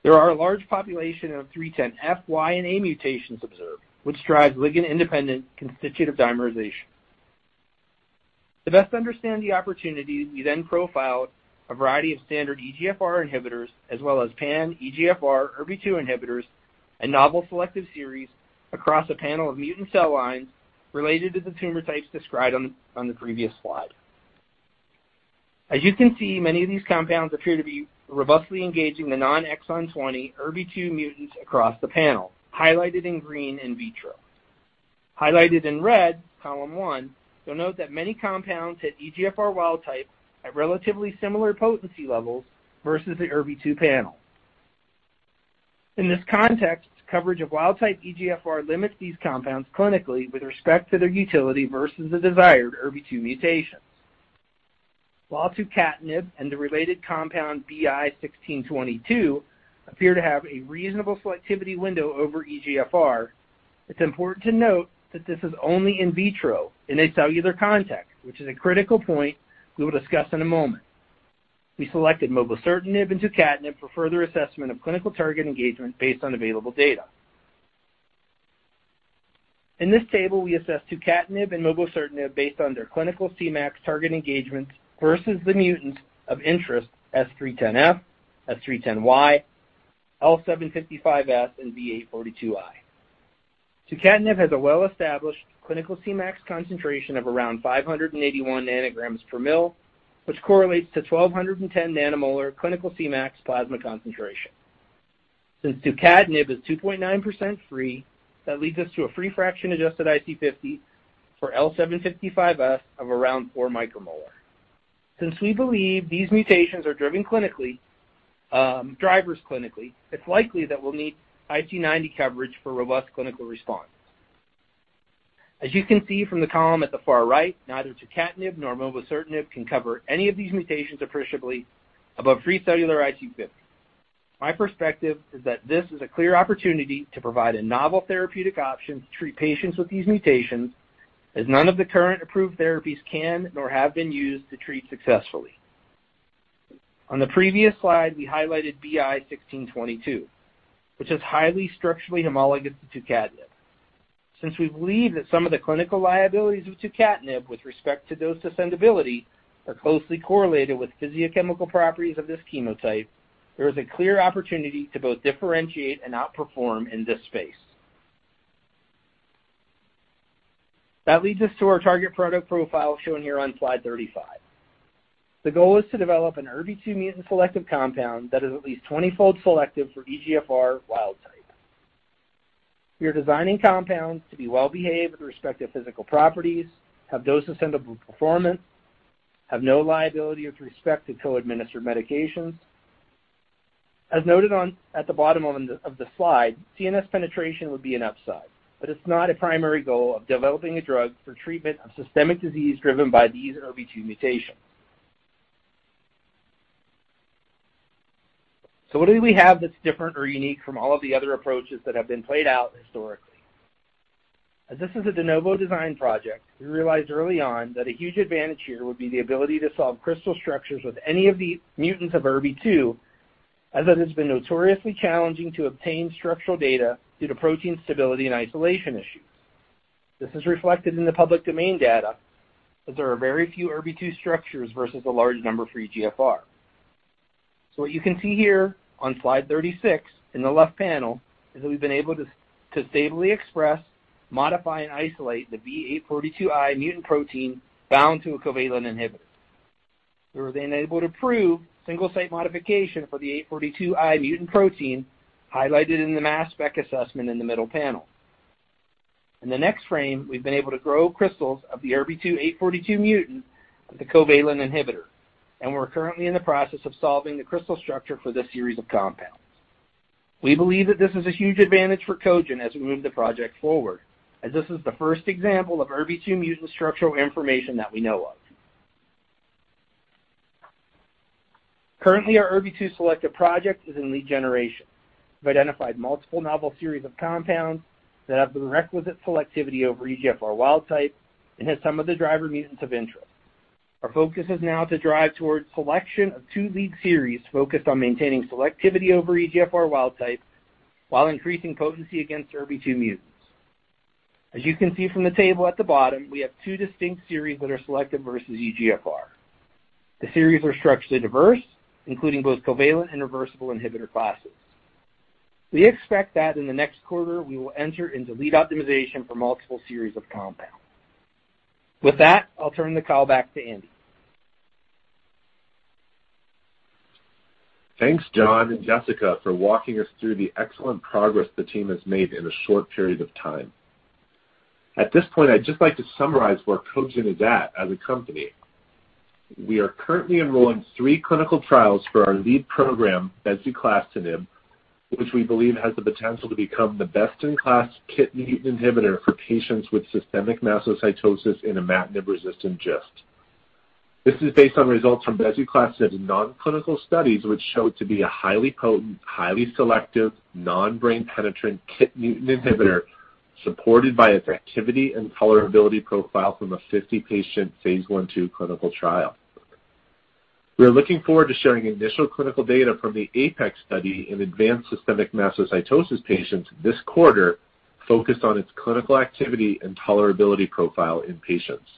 There are a large population of S310F and S310Y mutations observed, which drives ligand-independent constitutive dimerization. To best understand the opportunity, we then profiled a variety of standard EGFR inhibitors as well as pan EGFR ERBB2 inhibitors and novel selective series across a panel of mutant cell lines related to the tumor types described on the previous Slide. As you can see, many of these compounds appear to be robustly engaging the non-exon 20 ERBB2 mutants across the panel, highlighted in green in vitro. Highlighted in red, column one, you'll note that many compounds hit EGFR wild type at relatively similar potency levels versus the ERBB2 panel. In this context, coverage of wild-type EGFR limits these compounds clinically with respect to their utility versus the desired ERBB2 mutations. While Tucatinib and the related compound BI-1622 appear to have a reasonable selectivity window over EGFR, it's important to note that this is only in vitro in a cellular context, which is a critical point we will discuss in a moment. We selected Mobocertinib and Tucatinib for further assessment of clinical target engagement based on available data. In this table, we assess Tucatinib and Mobocertinib based on their clinical Cmax target engagements versus the mutant of interest S310F, S310Y, L755S, and V842I. Tucatinib has a well-established clinical Cmax concentration of around 581 nanograms per ml, which correlates to 1,210 nanomolar clinical Cmax plasma concentration. Since Tucatinib is 2.9% free, that leads us to a free fraction-adjusted IC50 for L755S of around 4 micromolar. Since we believe these mutations are driven clinically, it's likely that we'll need IC90 coverage for robust clinical response. As you can see from the column at the far right, neither Tucatinib nor Mobocertinib can cover any of these mutations appreciably above 3 cellular IC50. My perspective is that this is a clear opportunity to provide a novel therapeutic option to treat patients with these mutations, as none of the current approved therapies can nor have been used to treat successfully. On the previous slide, we highlighted BI-1622, which is highly structurally homologous to Tucatinib. Since we believe that some of the clinical liabilities of Tucatinib with respect to dose ascendability are closely correlated with physicochemical properties of this chemotype, there is a clear opportunity to both differentiate and outperform in this space. That leads us to our target product profile shown here on Slide 35. The goal is to develop an ERBB2 mutant-selective compound that is at least 20-fold selective for EGFR wild type. We are designing compounds to be well-behaved with respect to physical properties, have dose-ascendable performance, have no liability with respect to co-administered medications. As noted at the bottom of the slide, CNS penetration would be an upside, but it's not a primary goal of developing a drug for treatment of systemic disease driven by these ERBB2 mutations. What do we have that's different or unique from all of the other approaches that have been played out historically? As this is a de novo design project, we realized early on that a huge advantage here would be the ability to solve crystal structures with any of the mutants of ERBB2, as it has been notoriously challenging to obtain structural data due to protein stability and isolation issues. This is reflected in the public domain data, as there are very few ERBB2 structures versus a large number for EGFR. What you can see here on Slide 36 in the left panel is that we've been able to to stably express, modify and isolate the V842I mutant protein bound to a covalent inhibitor. We were then able to prove single site modification for the V842I mutant protein, highlighted in the mass spec assessment in the middle panel. In the next frame, we've been able to grow crystals of the ERBB2 842 mutant with the covalent inhibitor, and we're currently in the process of solving the crystal structure for this series of compounds. We believe that this is a huge advantage for Cogent as we move the project forward, as this is the first example of ERBB2 mutant structural information that we know of. Currently, our ERBB2 selective project is in lead generation. We've identified multiple novel series of compounds that have the requisite selectivity over EGFR wild type and has some of the driver mutants of interest. Our focus is now to drive towards selection of two lead series focused on maintaining selectivity over EGFR wild type while increasing potency against ERBB2 mutants. As you can see from the table at the bottom, we have two distinct series that are selective versus EGFR. The series are structurally diverse, including both covalent and reversible inhibitor classes. We expect that in the next quarter, we will enter into lead optimization for multiple series of compounds. With that, I'll turn the call back to Andy. Thanks, John and Jessica, for walking us through the excellent progress the team has made in a short period of time. At this point, I'd just like to summarize where Cogent is at as a company. We are currently enrolling three clinical trials for our lead program, bezuclastinib, which we believe has the potential to become the best-in-class KIT mutant inhibitor for patients with systemic mastocytosis in imatinib-resistant GIST. This is based on results from bezuclastinib non-clinical studies, which showed to be a highly potent, highly selective, non-brain penetrant KIT mutant inhibitor, supported by its activity and tolerability profile from a 50-patient phase I/II clinical trial. We are looking forward to sharing initial clinical data from the APEX study in advanced systemic mastocytosis patients this quarter, focused on its clinical activity and tolerability profile in patients.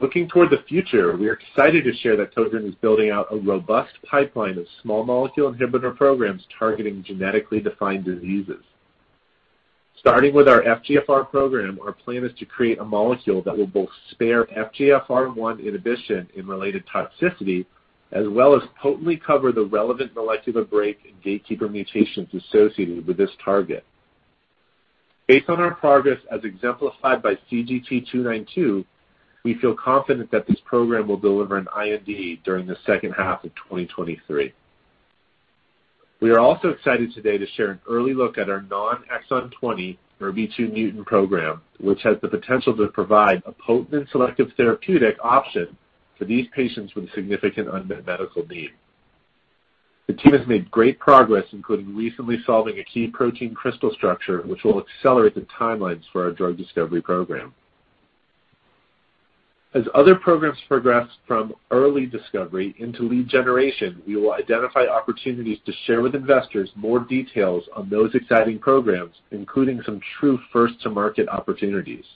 Looking toward the future, we are excited to share that Cogent is building out a robust pipeline of small molecule inhibitor programs targeting genetically defined diseases. Starting with our FGFR program, our plan is to create a molecule that will both spare FGFR1 inhibition and related toxicity, as well as potently cover the relevant molecular breakpoint and gatekeeper mutations associated with this target. Based on our progress, as exemplified by CGT-292, we feel confident that this program will deliver an IND during the second half of 2023. We are also excited today to share an early look at our non-exon 20 ERBB2 mutant program, which has the potential to provide a potent and selective therapeutic option for these patients with a significant unmet medical need. The team has made great progress, including recently solving a key protein crystal structure, which will accelerate the timelines for our drug discovery program. As other programs progress from early discovery into lead generation, we will identify opportunities to share with investors more details on those exciting programs, including some true first-to-market opportunities.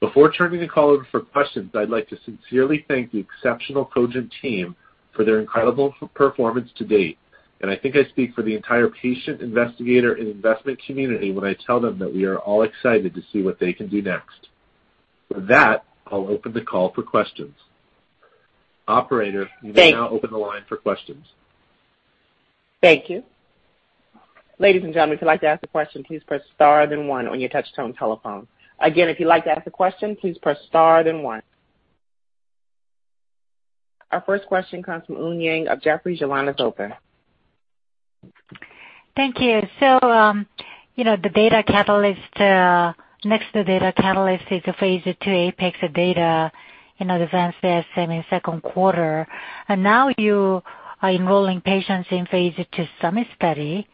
Before turning the call over for questions, I'd like to sincerely thank the exceptional Cogent team for their incredible performance to date, and I think I speak for the entire patient, investigator, and investment community when I tell them that we are all excited to see what they can do next. For that, I'll open the call for questions. Operator, you may now open the line for questions. Thank you. Ladies and gentlemen, if you'd like to ask a question, please press star, then one on your touch-tone telephone. Again, if you'd like to ask a question, please press star, then one. Our first question comes from Eun Yang of Jefferies. Your line is open. Thank you. The next data catalyst is the phase II APEX data in advanced SM in Q2. Now you are enrolling patients in phase II SUMMIT study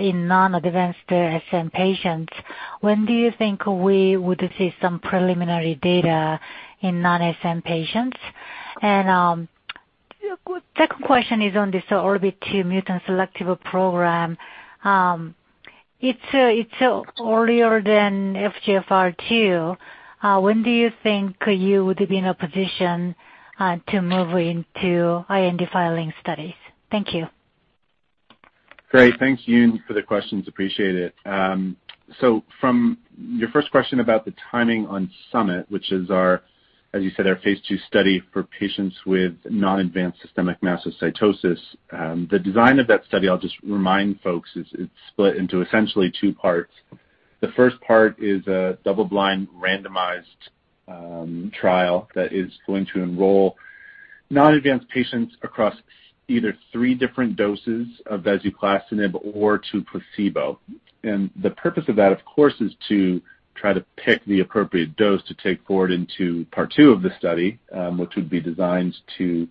in non-advanced SM patients. When do you think we would see some preliminary data in non-SM patients? Second question is on this ERBB2 mutant selective program. It's earlier than FGFR2. When do you think you would be in a position to move into IND filing studies? Thank you. Great. Thanks, Eun, for the questions. Appreciate it. From your first question about the timing on SUMMIT, which is, as you said, our phase II study for patients with non-advanced systemic mastocytosis. The design of that study, I'll just remind folks, is split into essentially two parts. The first part is a double-blind randomized trial that is going to enroll non-advanced patients across either three different doses of bezuclastinib or to placebo. The purpose of that, of course, is to try to pick the appropriate dose to take forward into part two of the study, which would be designed to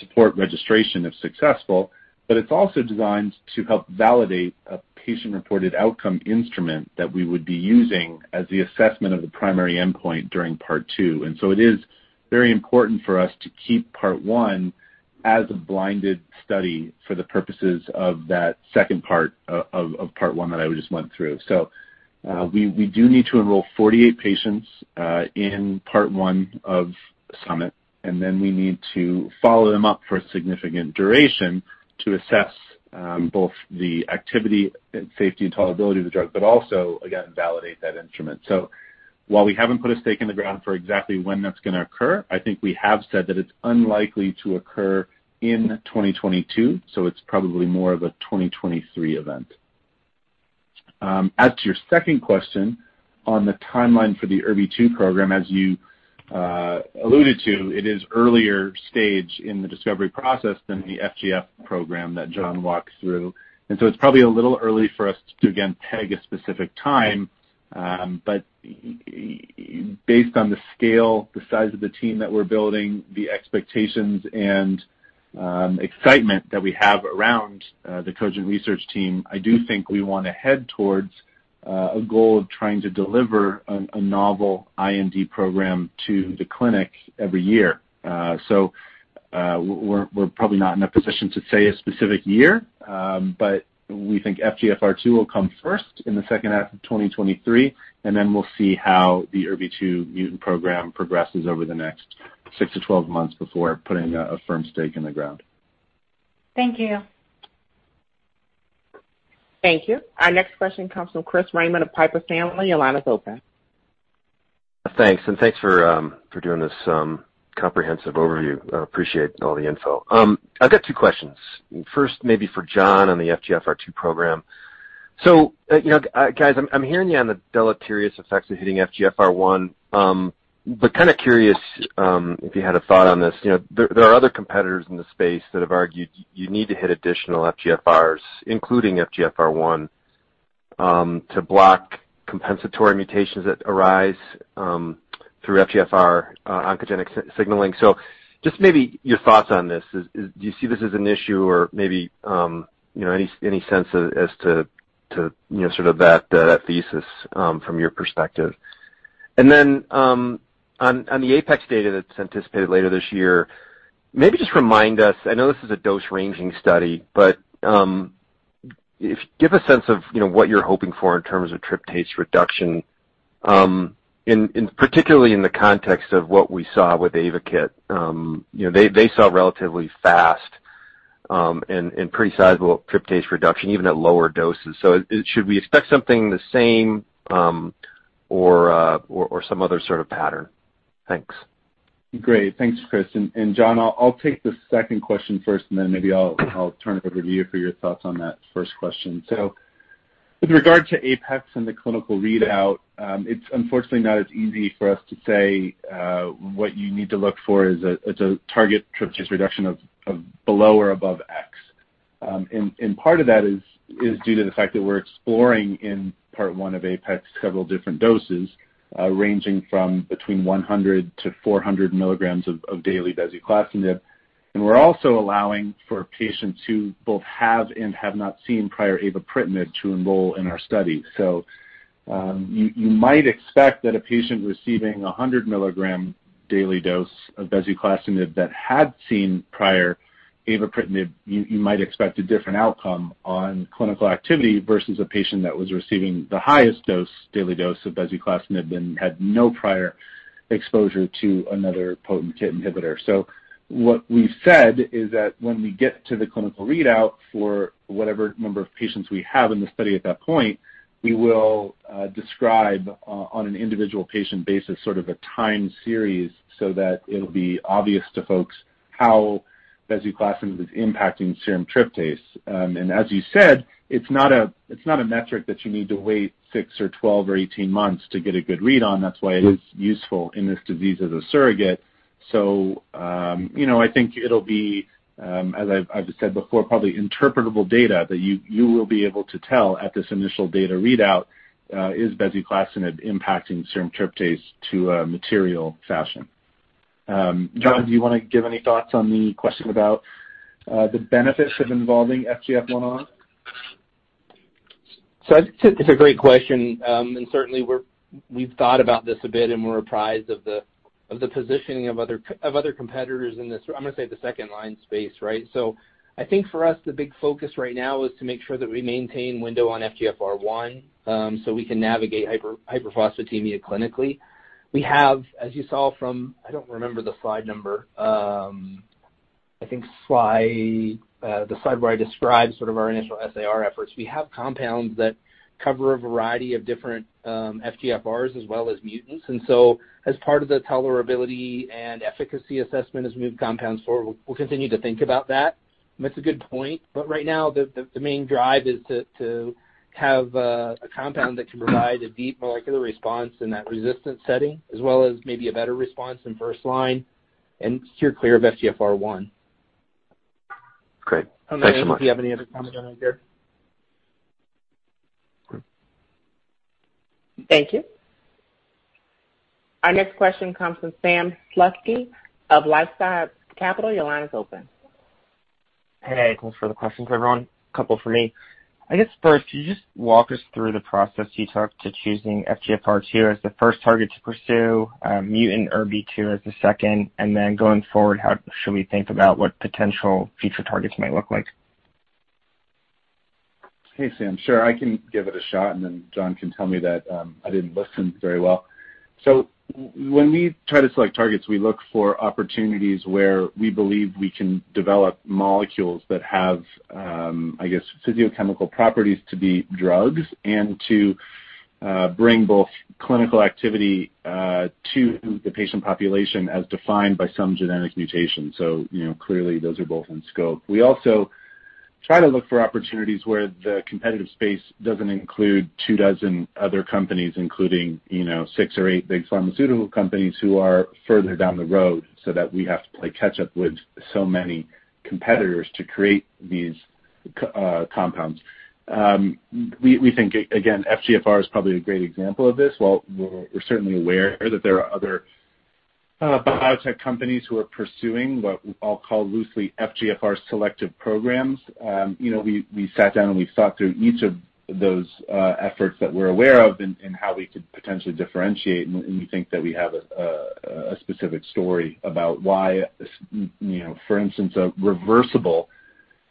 support registration if successful. It's also designed to help validate a patient-reported outcome instrument that we would be using as the assessment of the primary endpoint during part two. It is very important for us to keep part one as a blinded study for the purposes of that second part of part one that I just went through. We do need to enroll 48 patients in part one of SUMMIT, and then we need to follow them up for a significant duration to assess both the activity and safety and tolerability of the drug, but also, again, validate that instrument. While we haven't put a stake in the ground for exactly when that's going to occur, I think we have said that it's unlikely to occur in 2022, so it's probably more of a 2023 event. As to your second question on the timeline for the ERBB2 program, as you alluded to, it is earlier stage in the discovery process than the FGF program that John walked through. It's probably a little early for us to, again, peg a specific time, but based on the scale, the size of the team that we're building, the expectations and excitement that we have around the Cogent research team, I do think we want to head towards a goal of trying to deliver a novel IND program to the clinic every year. We're probably not in a position to say a specific year, but we think FGFR2 will come first in the second half of 2023, and then we'll see how the ERBB2 mutant program progresses over the next 6-12 months before putting a firm stake in the ground. Thank you. Thank you. Our next question comes from Chris Raymond of Piper Sandler. Your line is open. Thanks for doing this comprehensive overview. I appreciate all the info. I've got two questions. First, maybe for John on the FGFR2 program. Guys, I'm hearing you on the deleterious effects of hitting FGFR1, but curious if you had a thought on this. There are other competitors in the space that have argued you need to hit additional FGFRs, including FGFR1, to block compensatory mutations that arise through FGFR oncogenic signaling. Just maybe your thoughts on this. Do you see this as an issue or maybe any sense as to that thesis from your perspective? On the APEX data that's anticipated later this year, maybe just remind us. I know this is a dose ranging study, but give a sense of what you're hoping for in terms of tryptase reduction, in particularly in the context of what we saw with AYVAKIT. They saw relatively fast and pretty sizable tryptase reduction even at lower doses. Should we expect something the same, or some other pattern? Thanks. Great. Thanks, Chris. John, I'll take the second question first, and then maybe I'll turn it over to you for your thoughts on that first question. With regard to APEX and the clinical readout, it's unfortunately not as easy for us to say what you need to look for is a target tryptase reduction of below or above X. Part of that is due to the fact that we're exploring in part one of APEX several different doses, ranging from between 100 to 400 mg of daily bezuclastinib. We're also allowing for patients who both have and have not seen prior avapritinib to enroll in our study. You might expect that a patient receiving a 100 mg daily dose of bezuclastinib that had seen prior avapritinib might expect a different outcome on clinical activity versus a patient that was receiving the highest dose, daily dose of bezuclastinib and had no prior exposure to another potent KIT inhibitor. What we've said is that when we get to the clinical readout for whatever number of patients we have in the study at that point, we will describe on an individual patient basis a time series so that it'll be obvious to folks how bezuclastinib is impacting serum tryptase. As you said, it's not a metric that you need to wait 6 or 12 or 18 months to get a good read on. That's why it is useful in this disease as a surrogate. I think it'll be, as I've said before, probably interpretable data that you will be able to tell at this initial data readout is bezuclastinib impacting serum tryptase to a material fashion. John, do you want to give any thoughts on the question about the benefits of involving FGFR1 on? I'd say it's a great question, and certainly we've thought about this a bit, and we're apprised of the positioning of other competitors in this, I'm going to say, the second-line space, right? I think for us, the big focus right now is to make sure that we maintain window on FGFR1, so we can navigate hyperphosphatemia clinically. We have, as you saw from, I don't remember the slide number, I think the slide where I described our initial SAR efforts. We have compounds that cover a variety of different FGFRs as well as mutants. As part of the tolerability and efficacy assessment as we move compounds forward, we'll continue to think about that. That's a good point. Right now, the main drive is to have a compound that can provide a deep molecular response in that resistant setting, as well as maybe a better response in first line and steer clear of FGFR1. Great. Thanks so much. Andy, do you have any other comments on there? Thank you. Our next question comes from Sam Slutsky of LifeSci Capital. Your line is open. Hey, thanks for the questions, everyone. A couple for me. First, can you just walk us through the process you took to choosing FGFR2 as the first target to pursue, mutant ERBB2 as the second, and then going forward, how should we think about what potential future targets might look like? Hey, Sam. Sure. I can give it a shot, and then John can tell me that I didn't listen very well. When we try to select targets, we look for opportunities where we believe we can develop molecules that have, I guess, physicochemical properties to be drugs and to bring both clinical activity to the patient population as defined by some genetic mutation. Clearly, those are both in scope. We also try to look for opportunities where the competitive space doesn't include two dozen other companies, including six or eight big pharmaceutical companies who are further down the road, so that we have to play catch up with so many competitors to create these compounds. We think, again, FGFR is probably a great example of this. While we're certainly aware that there are other biotech companies who are pursuing what I'll call loosely FGFR selective programs. We sat down and we thought through each of those efforts that we're aware of and how we could potentially differentiate, and we think that we have a specific story about why, for instance, a reversible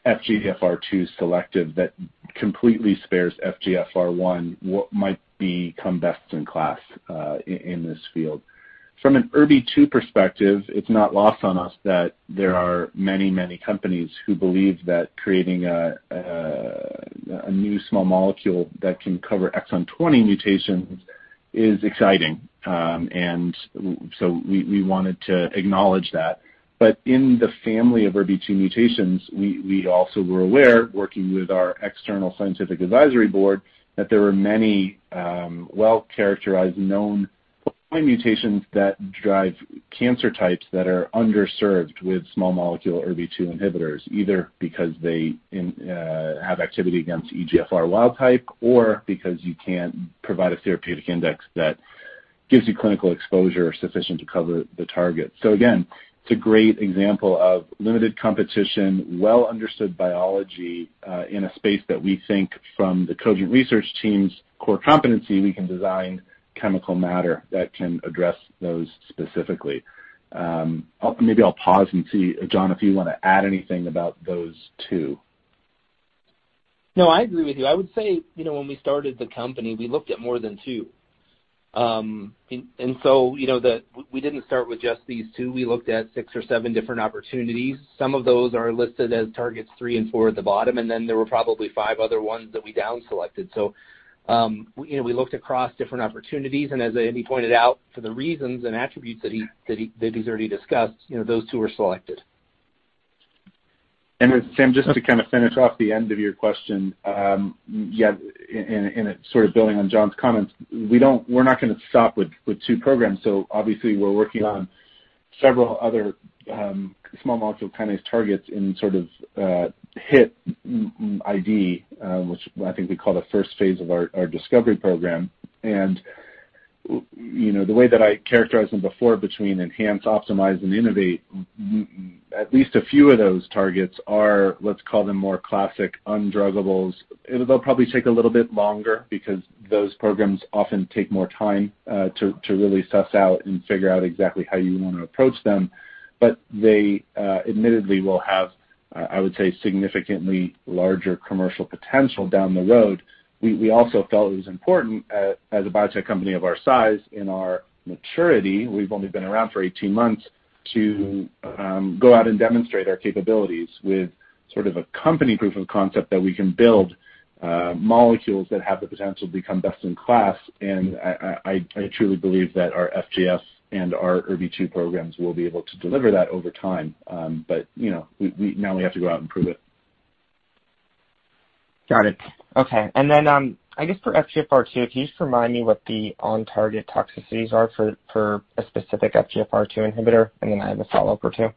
FGFR2 selective that completely spares FGFR1, what might become best-in-class in this field. From an ERBB2 perspective, it's not lost on us that there are many companies who believe that creating a new small molecule that can cover exon 20 mutations is exciting, and so we wanted to acknowledge that. In the family of ERBB2 mutations, we also were aware, working with our external scientific advisory board, that there were many well-characterized, known point mutations that drive cancer types that are underserved with small molecule ERBB2 inhibitors, either because they have activity against EGFR wild-type or because you can't provide a therapeutic index that gives you clinical exposure sufficient to cover the target. Again, it's a great example of limited competition, well understood biology in a space that we think from the Cogent research team's core competency, we can design chemical matter that can address those specifically. Maybe I'll pause and see, John, if you want to add anything about those two. No, I agree with you. I would say, when we started the company, we looked at more than two. We didn't start with just these two. We looked at six or seven different opportunities. Some of those are listed as targets three and four at the bottom, and then there were probably five other ones that we down selected. We looked across different opportunities, and as Andy pointed out, for the reasons and attributes that he's already discussed those two were selected. Sam, just to finish off the end of your question, and sort of building on John's comments, we're not going to stop with two programs. Obviously, we're working on several other small molecule kinase targets in Hit ID, which I think we call the first phase of our discovery program. The way that I characterized them before between enhance, optimize, and innovate, at least a few of those targets are, let's call them, more classic undruggables. They'll probably take a little bit longer because those programs often take more time to really suss out and figure out exactly how you want to approach them. But they admittedly will have, I would say, significantly larger commercial potential down the road. We also felt it was important, as a biotech company of our size in our maturity, we've only been around for 18 months, to go out and demonstrate our capabilities with a company proof of concept that we can build molecules that have the potential to become best in class. I truly believe that our FGFR and our ERBB2 programs will be able to deliver that over time. We now have to go out and prove it. Got it. Okay. I guess for FGFR2, can you just remind me what the on-target toxicities are for a specific FGFR2 inhibitor? I have a follow-up or two.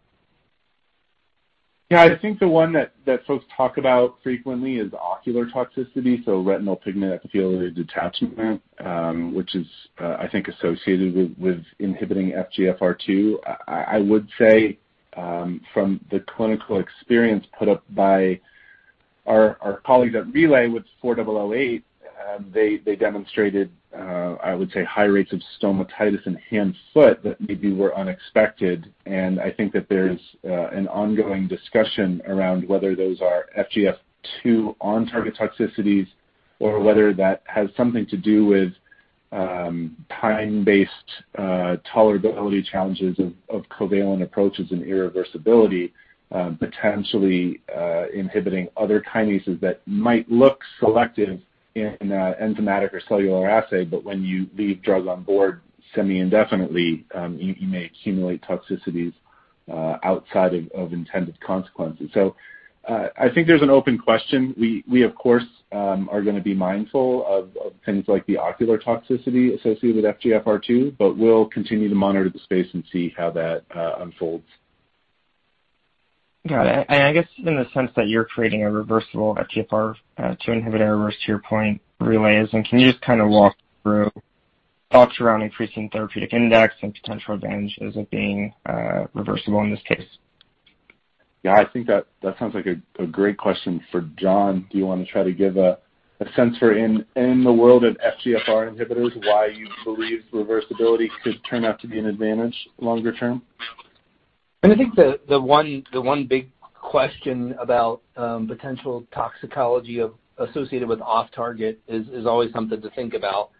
Yes. I think the one that folks talk about frequently is ocular toxicity, so retinal pigment epithelial detachment, which is associated with inhibiting FGFR2. I would say, from the clinical experience put up by our colleagues at Relay with RLY-4008, they demonstrated, I would say, high rates of stomatitis and hand-foot that maybe were unexpected. I think that there's an ongoing discussion around whether those are FGFR2 on target toxicities or whether that has something to do with time-based tolerability challenges of covalent approaches and irreversibility, potentially inhibiting other kinases that might look selective in an enzymatic or cellular assay. When you leave drug on board semi-indefinitely, you may accumulate toxicities outside of intended consequences. I think there's an open question. We of course are going to be mindful of things like the ocular toxicity associated with FGFR2, but we'll continue to monitor the space and see how that unfolds. Got it. I guess in the sense that you're creating a reversible FGFR2 inhibitor, to your point, Relay Therapeutics, and can you just walk through thoughts around increasing therapeutic index and potential advantages of being reversible in this case? Yes, I think that sounds like a great question for John. Do you want to try to give a sense for in the world of FGFR inhibitors, why you believe reversibility could turn out to be an advantage longer term? I think the one big question about potential toxicology associated with off target is always something to think about.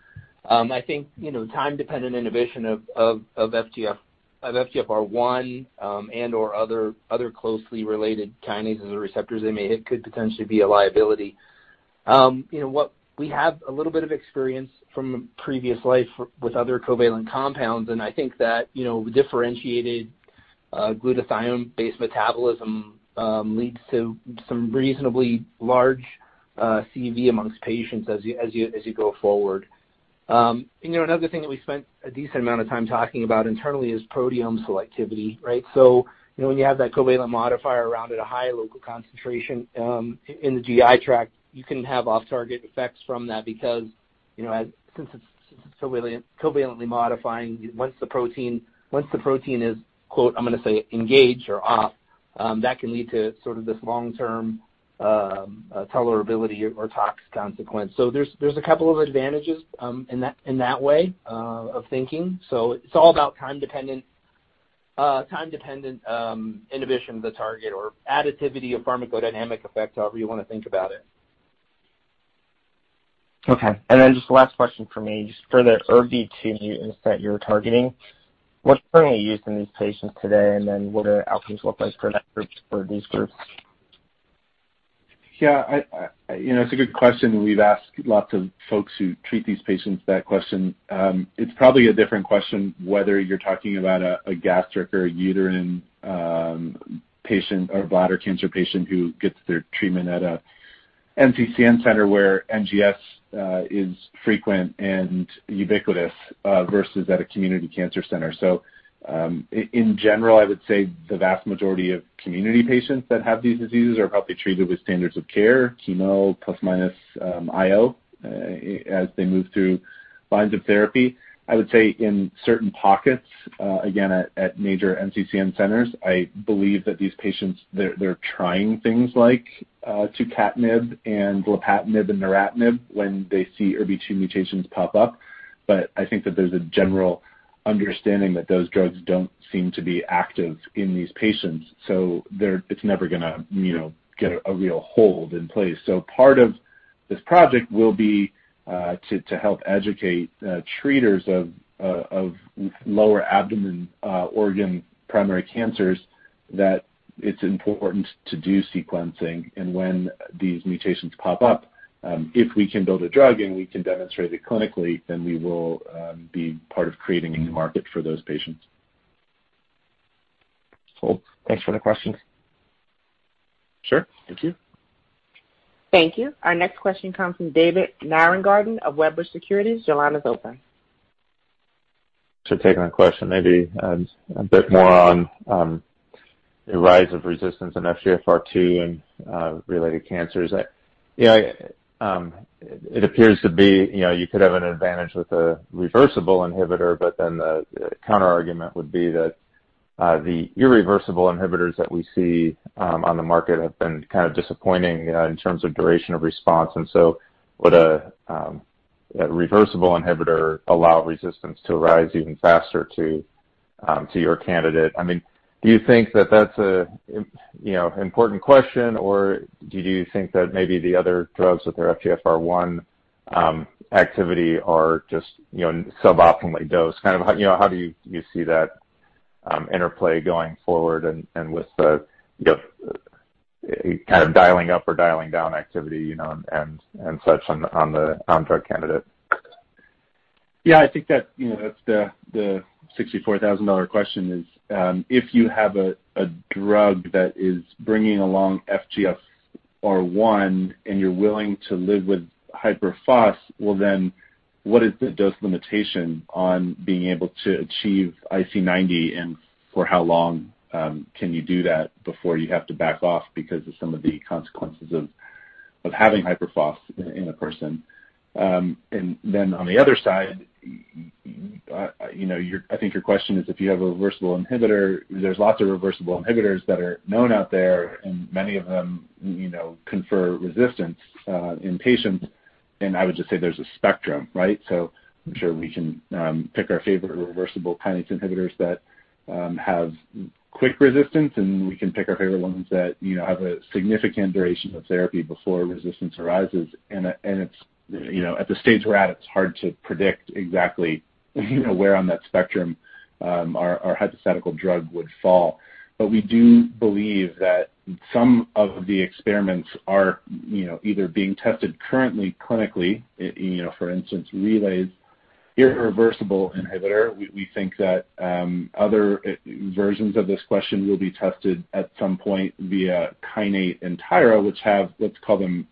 I think time-dependent inhibition of FGFR1 and/or other closely related kinases or receptors they may hit could potentially be a liability. You know what, we have a little bit of experience from a previous life with other covalent compounds, and I think that differentiated glutathione-based metabolism leads to some reasonably large CV amongst patients as you go forward. Another thing that we spent a decent amount of time talking about internally is proteome selectivity, right? When you have that covalent modifier around at a high local concentration, in the GI tract, you can have off-target effects from that because since it's covalently modifying, once the protein is, I'm going to say, "engaged or off", that can lead to this long-term tolerability or tox consequence. There's a couple of advantages, in that way, of thinking. It's all about time-dependent inhibition of the target or additivity of pharmacodynamic effect, however you want to think about it. Okay. Just the last question from me, just for the ERBB2 mutants that you're targeting, what's currently used in these patients today? What do outcomes look like for these groups? Yes. It's a good question, and we've asked lots of folks who treat these patients that question. It's probably a different question whether you're talking about a gastric or a uterine patient or bladder cancer patient who gets their treatment at a NCCN center where NGS is frequent and ubiquitous versus at a community cancer center. In general, I would say the vast majority of community patients that have these diseases are probably treated with standards of care, chemo plus minus IO as they move through lines of therapy. I would say in certain pockets, again, at major NCCN centers, I believe that these patients, they're trying things like tucatinib and lapatinib and neratinib when they see ERBB2 mutations pop up. I think that there's a general understanding that those drugs don't seem to be active in these patients, so it's never going to get a real hold in place. Part of this project will be to help educate treaters of lower abdomen organ primary cancers that it's important to do sequencing. When these mutations pop up, if we can build a drug and we can demonstrate it clinically, then we will be part of creating a new market for those patients. Cool. Thanks for the questions. Sure. Thank you. Thank you. Our next question comes from David Nierengarten of Wedbush Securities. Your line is open. Taking a question maybe a bit more on the rise of resistance in FGFR2 and related cancers. It appears to be, you could have an advantage with a reversible inhibitor, but then the counterargument would be that the irreversible inhibitors that we see on the market have been disappointing in terms of duration of response. Would a reversible inhibitor allow resistance to rise even faster to your candidate? Do you think that that's an important question, or do you think that maybe the other drugs with their FGFR1 activity are just suboptimally dosed? How do you see that interplay going forward and with the dialing up or dialing down activity, and such on the drug candidate? Yes. I think that's the $64,000 question is if you have a drug that is bringing along FGFR1 and you're willing to live with hyperphosphatemia, well then what is the dose limitation on being able to achieve IC90, and for how long can you do that before you have to back off because of some of the consequences of having hyperphosphatemia in a person? THen on the other side, I think your question is if you have a reversible inhibitor, there's lots of reversible inhibitors that are known out there, and many of them confer resistance in patients. I would just say there's a spectrum, right? I'm sure we can pick our favorite reversible kinase inhibitors that have quick resistance, and we can pick our favorite ones that have a significant duration of therapy before resistance arises. At the stage we're at, it's hard to predict exactly where on that spectrum our hypothetical drug would fall. We do believe that some of the experiments are either being tested currently clinically, for instance, Relay's irreversible inhibitor. We think that other versions of this question will be tested at some point via Kineta and Tyra, which have, let's call them,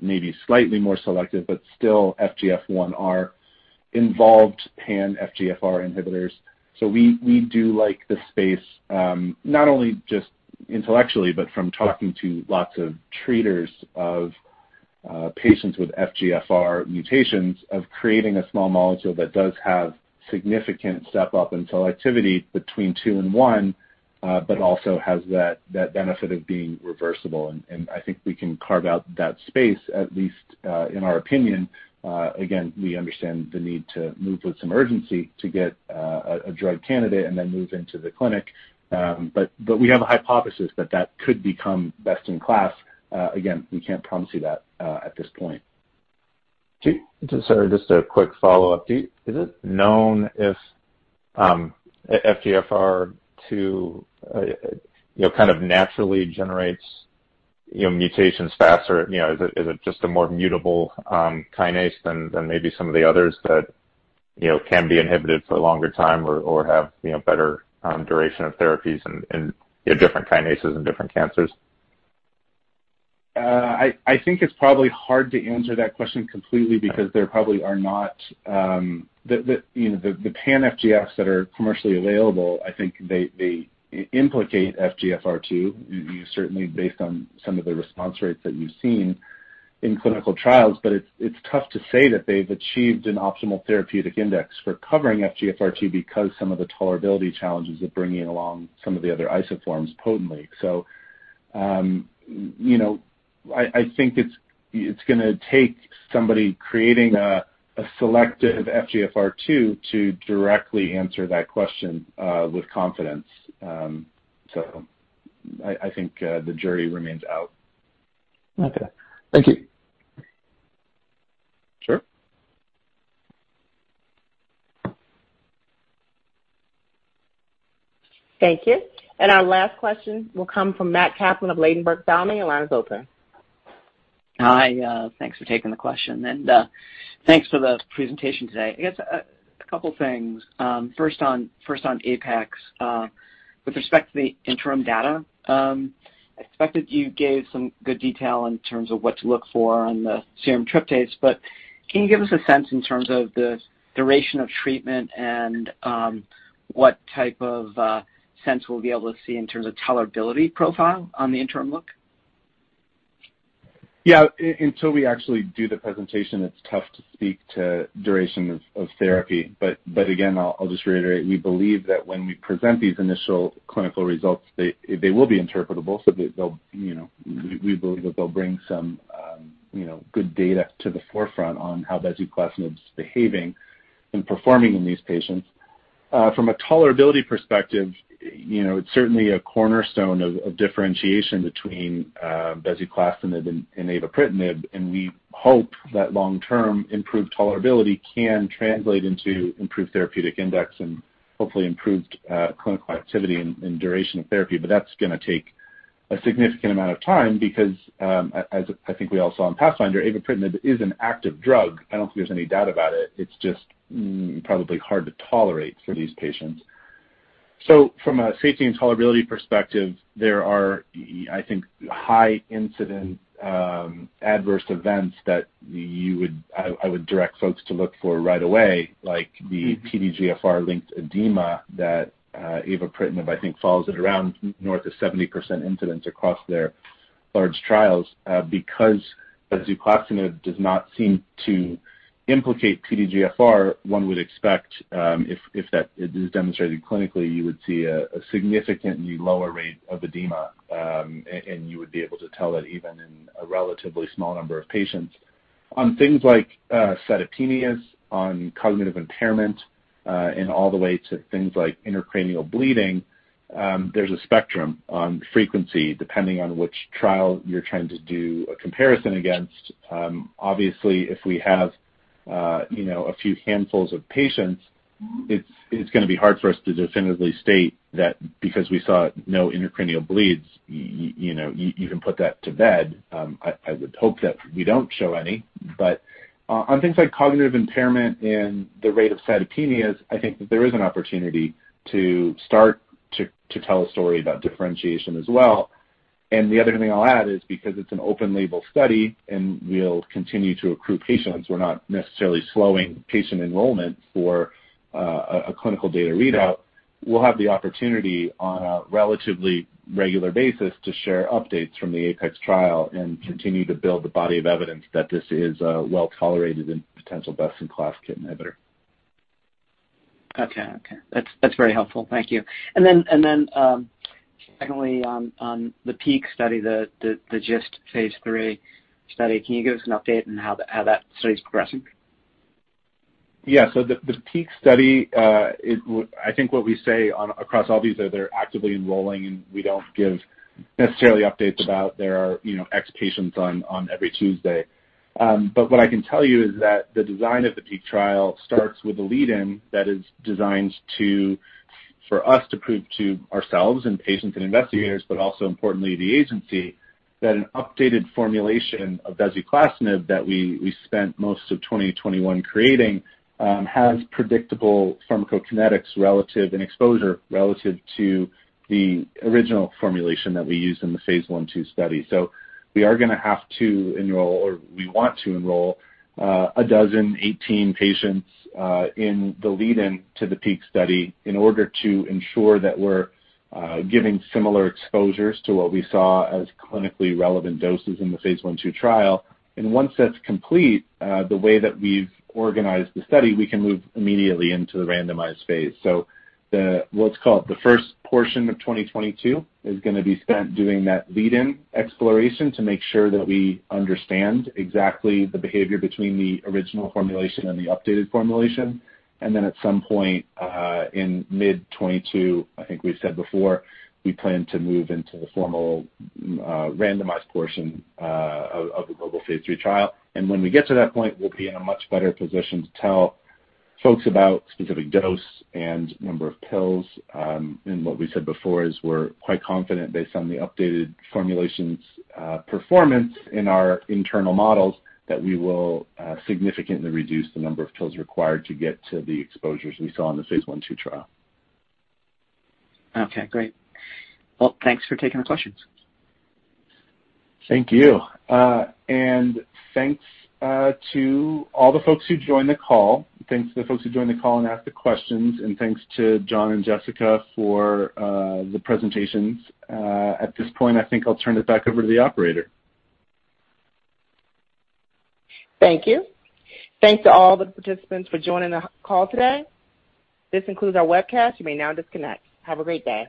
maybe slightly more selective, but still FGFR1-involved pan-FGFR inhibitors. We do like the space, not only just intellectually but from talking to lots of treaters of patients with FGFR mutations of creating a small molecule that does have significant step-up in selectivity between two and one, but also has that benefit of being reversible. I think we can carve out that space, at least, in our opinion. Again, we understand the need to move with some urgency to get a drug candidate and then move into the clinic. We have a hypothesis that that could become best in class. Again, we can't promise you that, at this point. Sorry, just a quick follow-up. Is it known if FGFR2 naturally generates mutations faster? Is it just a more mutable kinase than maybe some of the others that can be inhibited for a longer time or have better duration of therapies and different kinases and different cancers? I think it's probably hard to answer that question completely because there probably are not... The pan FGFRs that are commercially available. I think they implicate FGFR2, you certainly based on some of the response rates that you've seen in clinical trials. It's tough to say that they've achieved an optimal therapeutic index for covering FGFR2 because some of the tolerability challenges of bringing along some of the other isoforms potently. I think it's going to take somebody creating a selective FGFR2 to directly answer that question with confidence. I think the jury remains out. Okay. Thank you. Sure. Thank you. Our last question will come from Matthew Kaplan of Ladenburg Thalmann. Your line is open. Hi. Thanks for taking the question and, thanks for the presentation today. I guess a couple things, first on APEX. With respect to the interim data, I expected you gave some good detail in terms of what to look for on the serum tryptase, but can you give us a sense in terms of the duration of treatment and, what type of sense we'll be able to see in terms of tolerability profile on the interim look? Yes. Until we actually do the presentation, it's tough to speak to duration of therapy. But again, I'll just reiterate, we believe that when we present these initial clinical results, they will be interpretable, so we believe that they'll bring some good data to the forefront on how bezuclastinib's behaving and performing in these patients. From a tolerability perspective, it's certainly a cornerstone of differentiation between bezuclastinib and avapritinib, and we hope that long-term improved tolerability can translate into improved therapeutic index and hopefully improved clinical activity and duration of therapy. But that's going to take a significant amount of time because, as I think we all saw in PATHFINDER, avapritinib is an active drug. I don't think there's any doubt about it. It's just probably hard to tolerate for these patients. From a safety and tolerability perspective, there are, I think, high-incidence adverse events that I would direct folks to look for right away, like the PDGFR-linked edema that avapritinib, I think, falls at around north of 70% incidence across their large trials. Because bezuclastinib does not seem to implicate PDGFR, one would expect, if that is demonstrated clinically, you would see a significantly lower rate of edema, and you would be able to tell that even in a relatively small number of patients. On things like cytopenias, on cognitive impairment, and all the way to things like intracranial bleeding, there's a spectrum on frequency, depending on which trial you're trying to do a comparison against. Obviously, if we have a few handfuls of patients, it's going to be hard for us to definitively state that because we saw no intracranial bleeds, you can put that to bed. I would hope that we don't show any. On things like cognitive impairment and the rate of cytopenias, I think that there is an opportunity to start to tell a story about differentiation as well. The other thing I'll add is because it's an open-label study, and we'll continue to accrue patients, we're not necessarily slowing patient enrollment for a clinical data readout. We'll have the opportunity on a relatively regular basis to share updates from the APEX trial and continue to build the body of evidence that this is a well-tolerated and potential best-in-class KIT inhibitor. Okay. That's very helpful. Thank you. Secondly, on the PEAK study, the GIST phase III study, can you give us an update on how that study's progressing? Yes. The PEAK study, I think what we say across all these is they're actively enrolling, and we don't necessarily give updates about there being X patients on every Tuesday. But what I can tell you is that the design of the PEAK trial starts with a lead-in that is designed for us to prove to ourselves and patients and investigators, but also importantly the agency, that an updated formulation of bezuclastinib that we spent most of 2021 creating has predictable pharmacokinetics and exposure relative to the original formulation that we used in the phase I/II study. We are going to have to enroll, or we want to enroll, 12-18 patients in the lead-in to the PEAK study in order to ensure that we're giving similar exposures to what we saw as clinically relevant doses in the phase I/II trial. Once that's complete, the way that we've organized the study, we can move immediately into the randomized phase. What's called the first portion of 2022 is going to be spent doing that lead-in exploration to make sure that we understand exactly the behavior between the original formulation and the updated formulation. Then at some point in mid-2022, I think we've said before, we plan to move into the formal randomized portion of the global phase III trial. When we get to that point, we'll be in a much better position to tell folks about specific dose and number of pills. What we said before is we're quite confident based on the updated formulations, performance in our internal models, that we will significantly reduce the number of pills required to get to the exposures we saw in the phase I/II trial. Okay, great. Well, thanks for taking the questions. Thank you. Thanks to all the folks who joined the call and asked the questions, and thanks to John and Jessica for the presentations. At this point, I think I'll turn it back over to the operator. Thank you. Thanks to all the participants for joining the call today. This concludes our webcast. You may now disconnect. Have a great day.